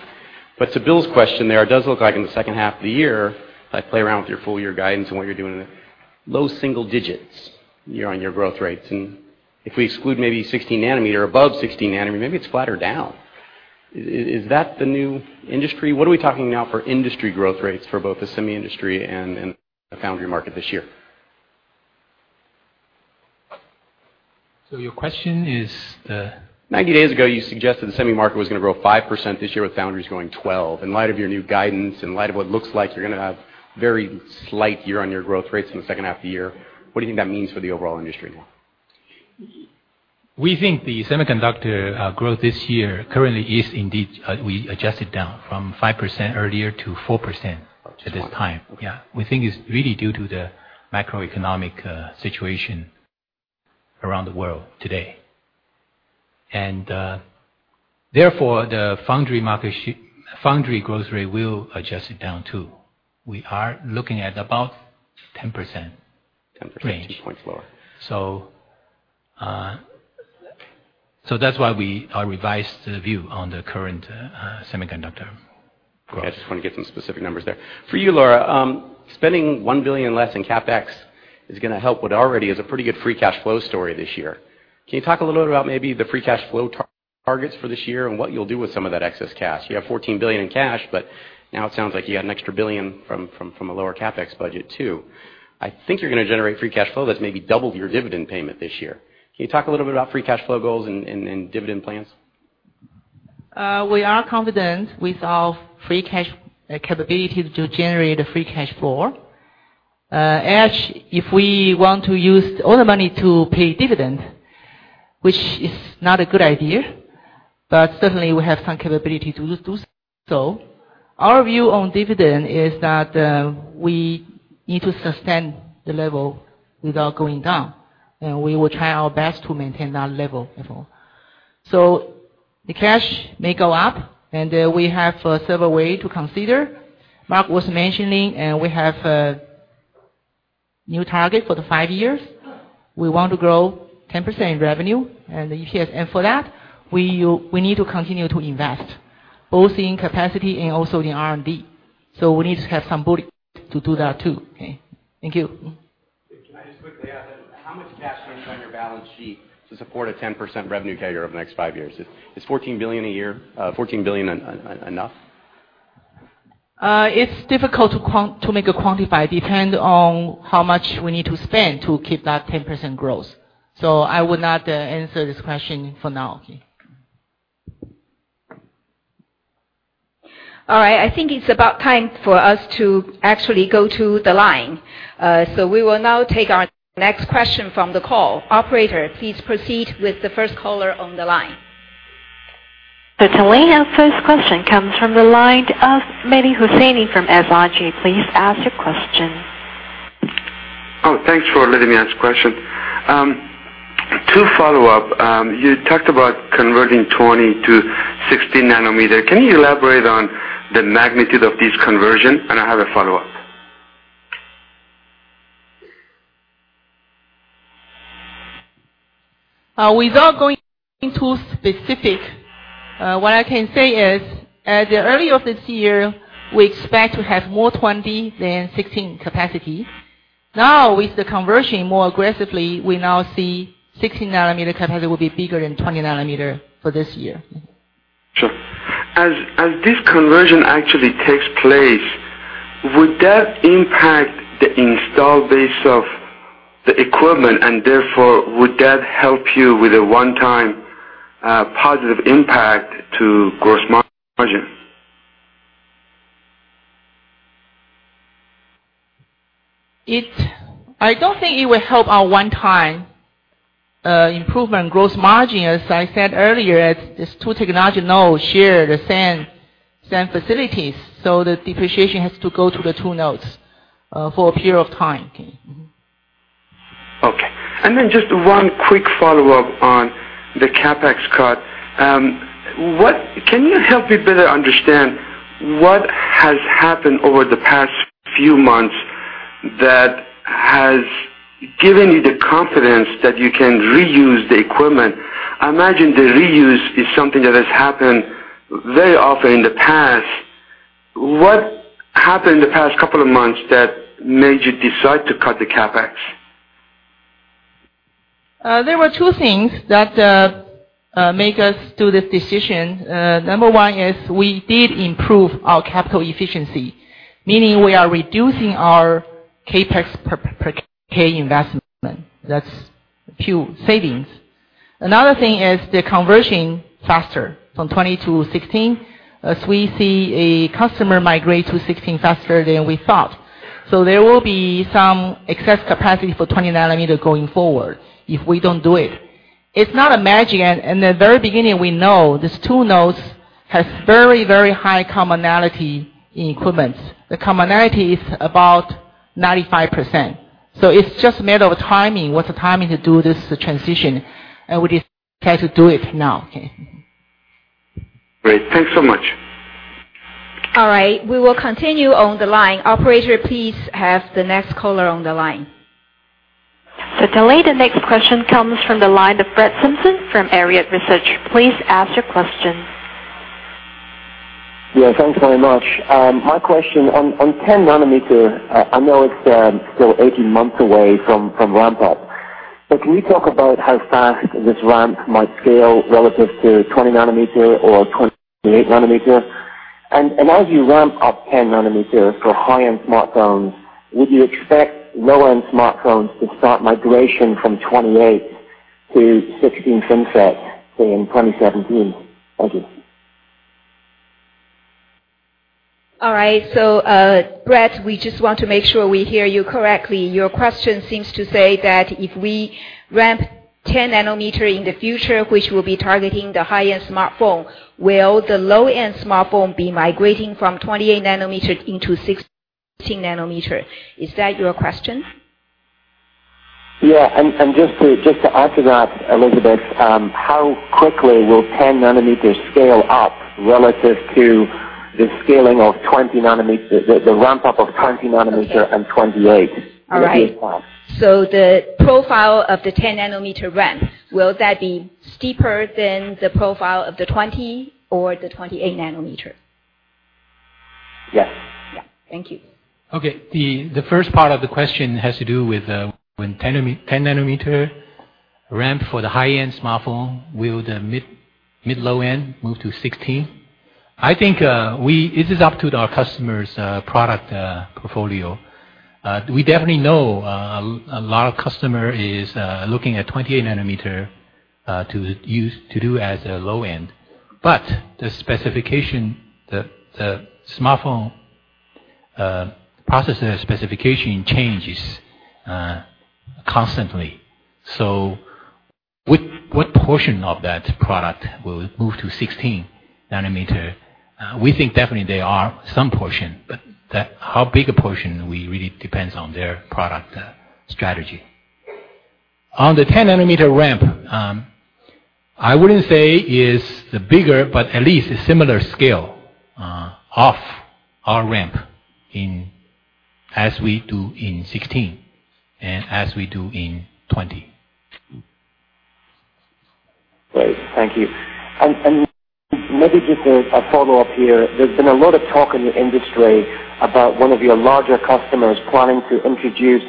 To Bill's question there, it does look like in the second half of the year, if I play around with your full year guidance and what you're doing, low single digits year-on-year growth rates. If we exclude maybe 16 nanometer or above 16 nanometer, maybe it's flatter down. Is that the new industry? What are we talking now for industry growth rates for both the semi industry and the foundry market this year? Your question is the- 90 days ago, you suggested the semi market was going to grow 5% this year, with foundries growing 12%. In light of your new guidance, in light of what looks like you're going to have very slight year-on-year growth rates in the second half of the year, what do you think that means for the overall industry now? We think the semiconductor growth this year currently is indeed. We adjusted down from 5% earlier to 4% at this time. To 4%. Yeah. We think it's really due to the macroeconomic situation around the world today. Therefore, the foundry growth rate, we'll adjust it down, too. We are looking at about 10% range. 10%, two points lower. That's why we revised the view on the current semiconductor growth. I just want to get some specific numbers there. For you, Lora, spending $1 billion less in CapEx is going to help what already is a pretty good free cash flow story this year. Can you talk a little bit about maybe the free cash flow targets for this year and what you'll do with some of that excess cash? You have $14 billion in cash, but now it sounds like you got an extra billion from a lower CapEx budget, too. I think you're going to generate free cash flow that's maybe double your dividend payment this year. Can you talk a little bit about free cash flow goals and dividend plans? We are confident with our free cash capability to generate free cash flow. If we want to use all the money to pay dividend, which is not a good idea, but certainly, we have some capability to do so. Our view on dividend is that we need to sustain the level without going down, and we will try our best to maintain that level. The cash may go up, and we have several way to consider. Mark was mentioning we have a new target for the 5 years. We want to grow 10% in revenue and EPS. For that, we need to continue to invest, both in capacity and also in R&D. We need to have some bullet to do that, too. Okay, thank you. Can I just quickly add? How much cash do you need on your balance sheet to support a 10% revenue CAGR over the next 5 years? Is $14 billion enough? It's difficult to make a quantify, depend on how much we need to spend to keep that 10% growth. I would not answer this question for now. All right. I think it's about time for us to actually go to the line. We will now take our next question from the call. Operator, please proceed with the first caller on the line. The first question comes from the line of Mehdi Hosseini from SIG. Please ask your question. Thanks for letting me ask question. Two follow-up. You talked about converting 20 to 16 nanometer. Can you elaborate on the magnitude of this conversion? I have a follow-up. Without going into specifics, what I can say is, at the early of this year, we expect to have more 20 than 16 capacity. Now, with the conversion more aggressively, we now see 16 nanometer capacity will be bigger than 20 nanometer for this year. Sure. As this conversion actually takes place, would that impact the install base of the equipment, and therefore, would that help you with a one-time positive impact to gross margin? I don't think it will help our one-time improvement gross margin. As I said earlier, these 2 technology nodes share the same facilities, so the depreciation has to go to the 2 nodes for a period of time. Okay. Then just one quick follow-up on the CapEx cut. Can you help me better understand what has happened over the past few months that has given you the confidence that you can reuse the equipment? I imagine the reuse is something that has happened very often in the past. What happened in the past couple of months that made you decide to cut the CapEx? There were two things that make us do this decision. Number 1 is we did improve our capital efficiency, meaning we are reducing our CapEx per K investment. That's pure savings. Another thing is the conversion faster from 20 to 16. As we see a customer migrate to 16 faster than we thought. There will be some excess capacity for 20 nanometer going forward if we don't do it. It's not a magic, at the very beginning, we know these 2 nodes has very high commonality in equipment. The commonality is about 95%. It's just a matter of timing, what's the timing to do this transition, we decide to do it now. Great. Thanks so much. All right. We will continue on the line. Operator, please have the next caller on the line. To the line, the next question comes from the line of Brett Simpson from Arete Research. Please ask your question. Yeah, thanks very much. My question on 10-nanometer, I know it's still 18 months away from ramp up, can you talk about how fast this ramp might scale relative to 20 nanometer or 28 nanometer? As you ramp up 10-nanometers for high-end smartphones, would you expect low-end smartphones to start migration from 28 to 16nm FinFET in 2017? Thank you. All right, Brett, we just want to make sure we hear you correctly. Your question seems to say that if we ramp 10-nanometer in the future, which will be targeting the high-end smartphone, will the low-end smartphone be migrating from 28 nanometer into 16 nanometer? Is that your question? Yeah. Just to add to that, Elizabeth, how quickly will 10-nanometers scale up relative to the scaling of 20 nanometer the ramp up of 20 nanometer. All right. in the near term? The profile of the 10-nanometer ramp, will that be steeper than the profile of the 20 nanometer or the 28 nanometer? Yes. Yeah. Thank you. The first part of the question has to do with when 10-nanometer ramp for the high-end smartphone, will the mid-low-end move to 16 nanometer? I think this is up to our customer's product portfolio. We definitely know a lot of customer is looking at 28 nanometer to do as a low-end. The specification, the smartphone processor specification changes constantly. What portion of that product will move to 16 nanometer? We think definitely they are some portion, but how big a portion? We really depends on their product strategy. On the 10-nanometer ramp, I wouldn't say is the bigger, but at least a similar scale of our ramp as we do in 16 nanometer and as we do in 20 nanometer. Great. Thank you. Maybe just a follow-up here. There's been a lot of talk in the industry about one of your larger customers planning to introduce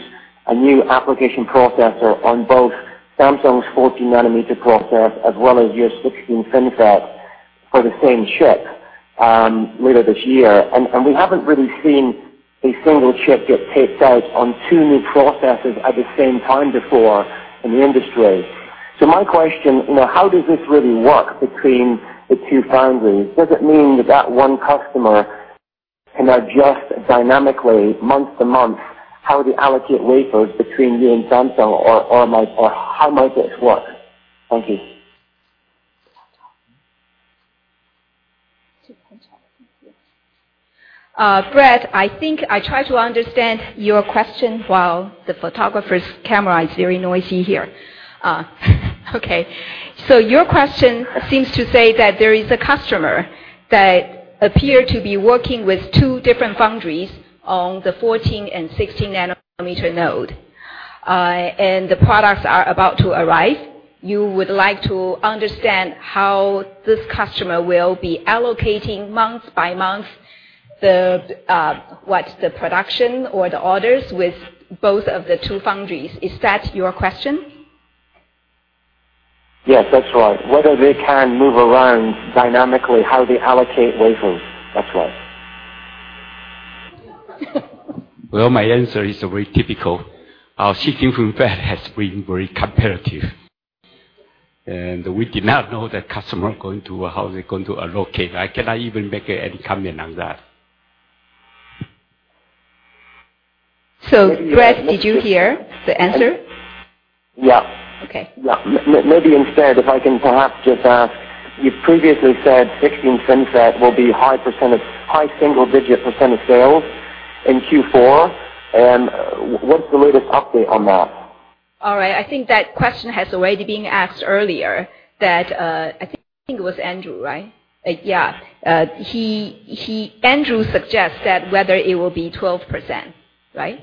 a new application processor on both Samsung's 14-nanometer process as well as your 16nm FinFET for the same chip later this year. We haven't really seen a single chip get picked out on two new processes at the same time before in the industry. My question, how does this really work between the two foundries? Does it mean that one customer can adjust dynamically month to month how they allocate wafers between you and Samsung? How might this work? Thank you. Brett, I think I try to understand your question while the photographer's camera is very noisy here. Your question seems to say that there is a customer that appear to be working with two different foundries on the 14-nanometer and 16 nanometer node. The products are about to arrive. You would like to understand how this customer will be allocating month by month the production or the orders with both of the two foundries. Is that your question? Yes, that's right. Whether they can move around dynamically how they allocate wafers. That's right. Well, my answer is very typical. Our 16nm FinFET has been very competitive, we did not know the customer, how they're going to allocate. I cannot even make any comment on that. Brett, did you hear the answer? Yeah. Okay. Yeah. Maybe instead, if I can perhaps just ask, you've previously said 16nm FinFET will be high single digit % of sales in Q4. What's the latest update on that? All right. I think that question has already been asked earlier that I think it was Andrew, right? Yeah. Andrew suggests that whether it will be 12%, right?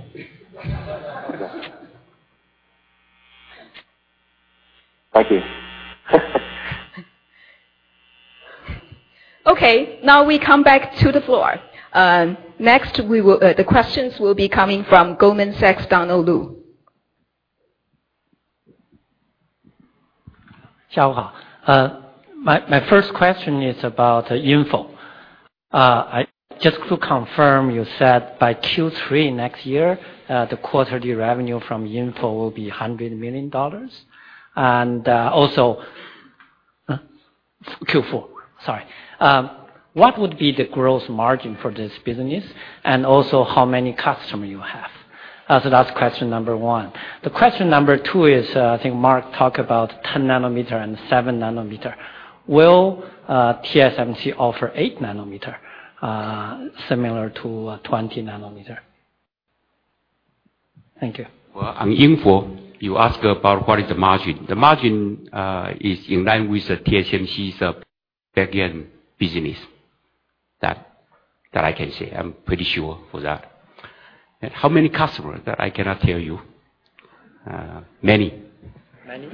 Thank you. Okay, now we come back to the floor. The questions will be coming from Goldman Sachs, Donald Lu. My first question is about the InFO. Just to confirm, you said by Q3 next year, the quarterly revenue from InFO will be 100 million dollars. Also Q4, sorry. What would be the gross margin for this business? Also, how many customers you have? That's question number one. The question number 2 is, I think Mark talked about 10-nanometer and 7-nanometer. Will TSMC offer 8-nanometer, similar to 20-nanometer? Thank you. On InFO, you ask about what is the margin. The margin is in line with TSMC's back-end business. That I can say. I am pretty sure for that. How many customers? That I cannot tell you. Many. Many?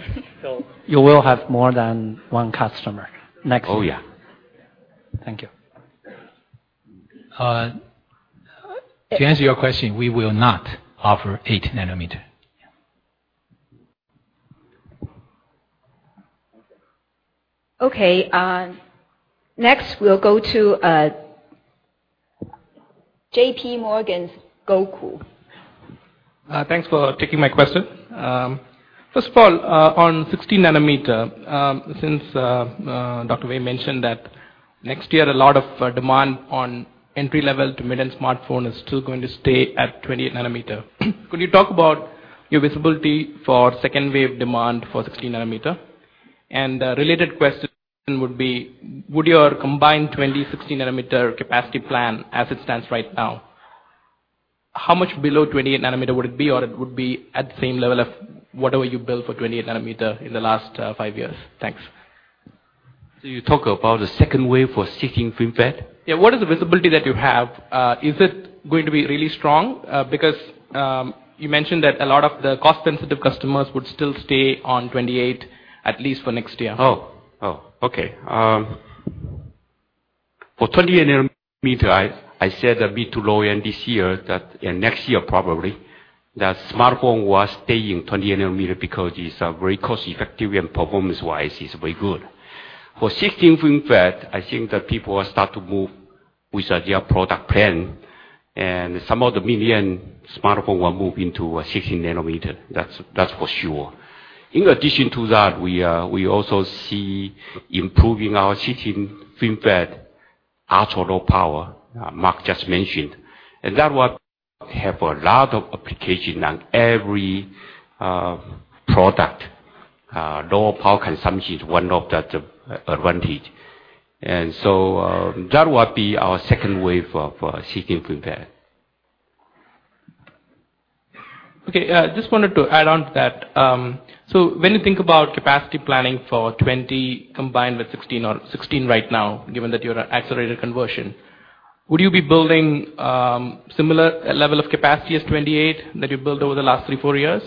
You will have more than one customer next year? Oh, yeah. Thank you. To answer your question, we will not offer eight nanometer. Okay. Next, we'll go to J.P. Morgan's, Gokul. Thanks for taking my question. First of all, on 16 nanometer, since Dr. Wei mentioned that next year, a lot of demand on entry-level to mid-end smartphone is still going to stay at 28 nanometer. Could you talk about your visibility for second wave demand for 16 nanometer? A related question would be, with your combined 20/16 nanometer capacity plan as it stands right now, how much below 28 nanometer would it be? It would be at the same level of whatever you built for 28 nanometer in the last five years? Thanks. You talk about the second wave for 16nm FinFET? Yeah. What is the visibility that you have? Is it going to be really strong? You mentioned that a lot of the cost-sensitive customers would still stay on 28 at least for next year. Oh, okay. For 28 nanometer, I said a bit to low-end this year, next year probably, that smartphone was staying 28 nanometer because it's very cost-effective, and performance-wise, it's very good. For 16nm FinFET, I think that people will start to move with their product plan, and some of the mainstream smartphone will move into 16 nanometer. That's for sure. In addition to that, we also see improving our 16nm FinFET ultra-low power, Mark just mentioned. That will have a lot of application on every product. Low power consumption is one of the advantage. That will be our second wave of 16nm FinFET. Okay. When you think about capacity planning for 20 nanometer combined with 16 nanometer right now, given that you're at accelerated conversion, would you be building similar level of capacity as 28 nanometer that you've built over the last three, four years?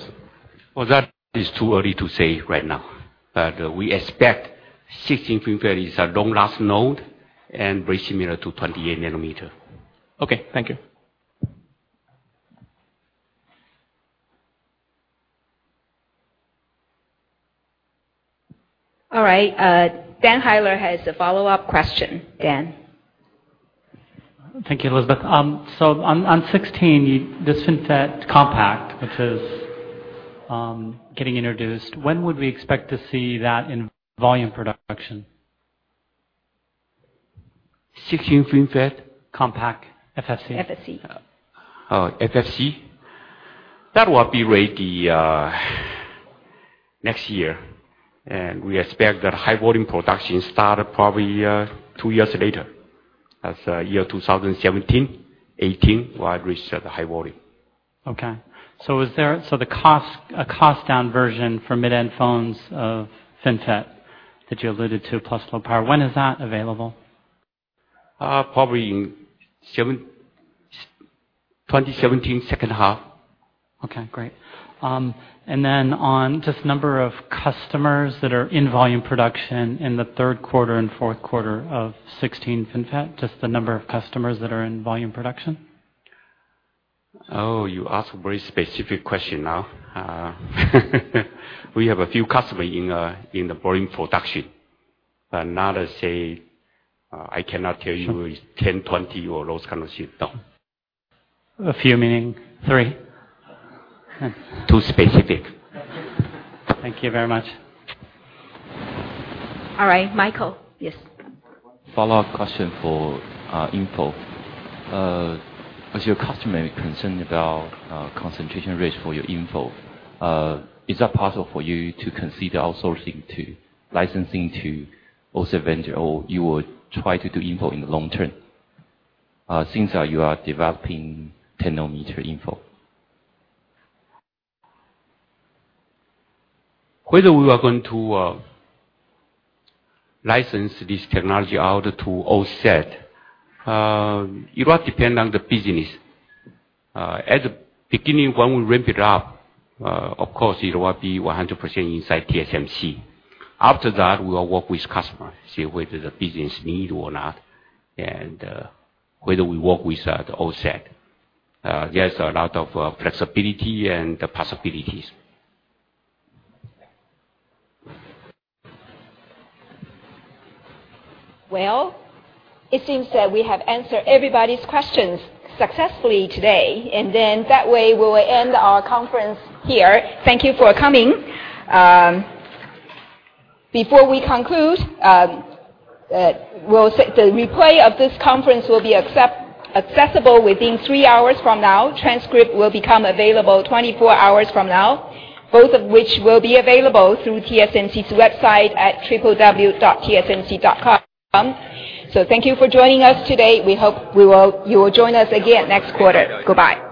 Well, that is too early to say right now. We expect 16nm FinFET is a long-last node and very similar to 28 nanometer. Okay, thank you. All right. Daniel Heyler has a follow-up question. Dan? Thank you, Elizabeth. On 16, this FinFET Compact, which is getting introduced, when would we expect to see that in volume production? 16nm FinFET? Compact. FFC. FFC. FFC. That will be ready next year, and we expect that high volume production start probably two years later. That's year 2017, 2018, we'll have reached the high volume. The cost-down version for mid-end phones of FinFET that you alluded to, plus low power, when is that available? Probably in 2017, second half. Okay, great. Then on just number of customers that are in volume production in the third quarter and fourth quarter of 16nm FinFET, just the number of customers that are in volume production? Oh, you ask a very specific question now. We have a few customer in the volume production. Not to say, I cannot tell you it's 10, 20, or those kind of shit, no. A few meaning three? Too specific. Thank you very much. All right, Michael. Yes. Follow-up question for InFO. As your customer is concerned about concentration risk for your InFO, is that possible for you to consider outsourcing to licensing to also venture, or you would try to do InFO in the long term since you are developing 10-nanometer InFO? Whether we are going to license this technology out to OSATs, it will depend on the business. At the beginning, when we ramp it up, of course, it will be 100% inside TSMC. After that, we will work with customer, see whether the business need or not, and whether we work with the OSATs. There's a lot of flexibility and possibilities. Well, it seems that we have answered everybody's questions successfully today, then that way, we will end our conference here. Thank you for coming. Before we conclude, the replay of this conference will be accessible within three hours from now. Transcript will become available 24 hours from now, both of which will be available through TSMC's website at www.tsmc.com. Thank you for joining us today. We hope you will join us again next quarter. Goodbye.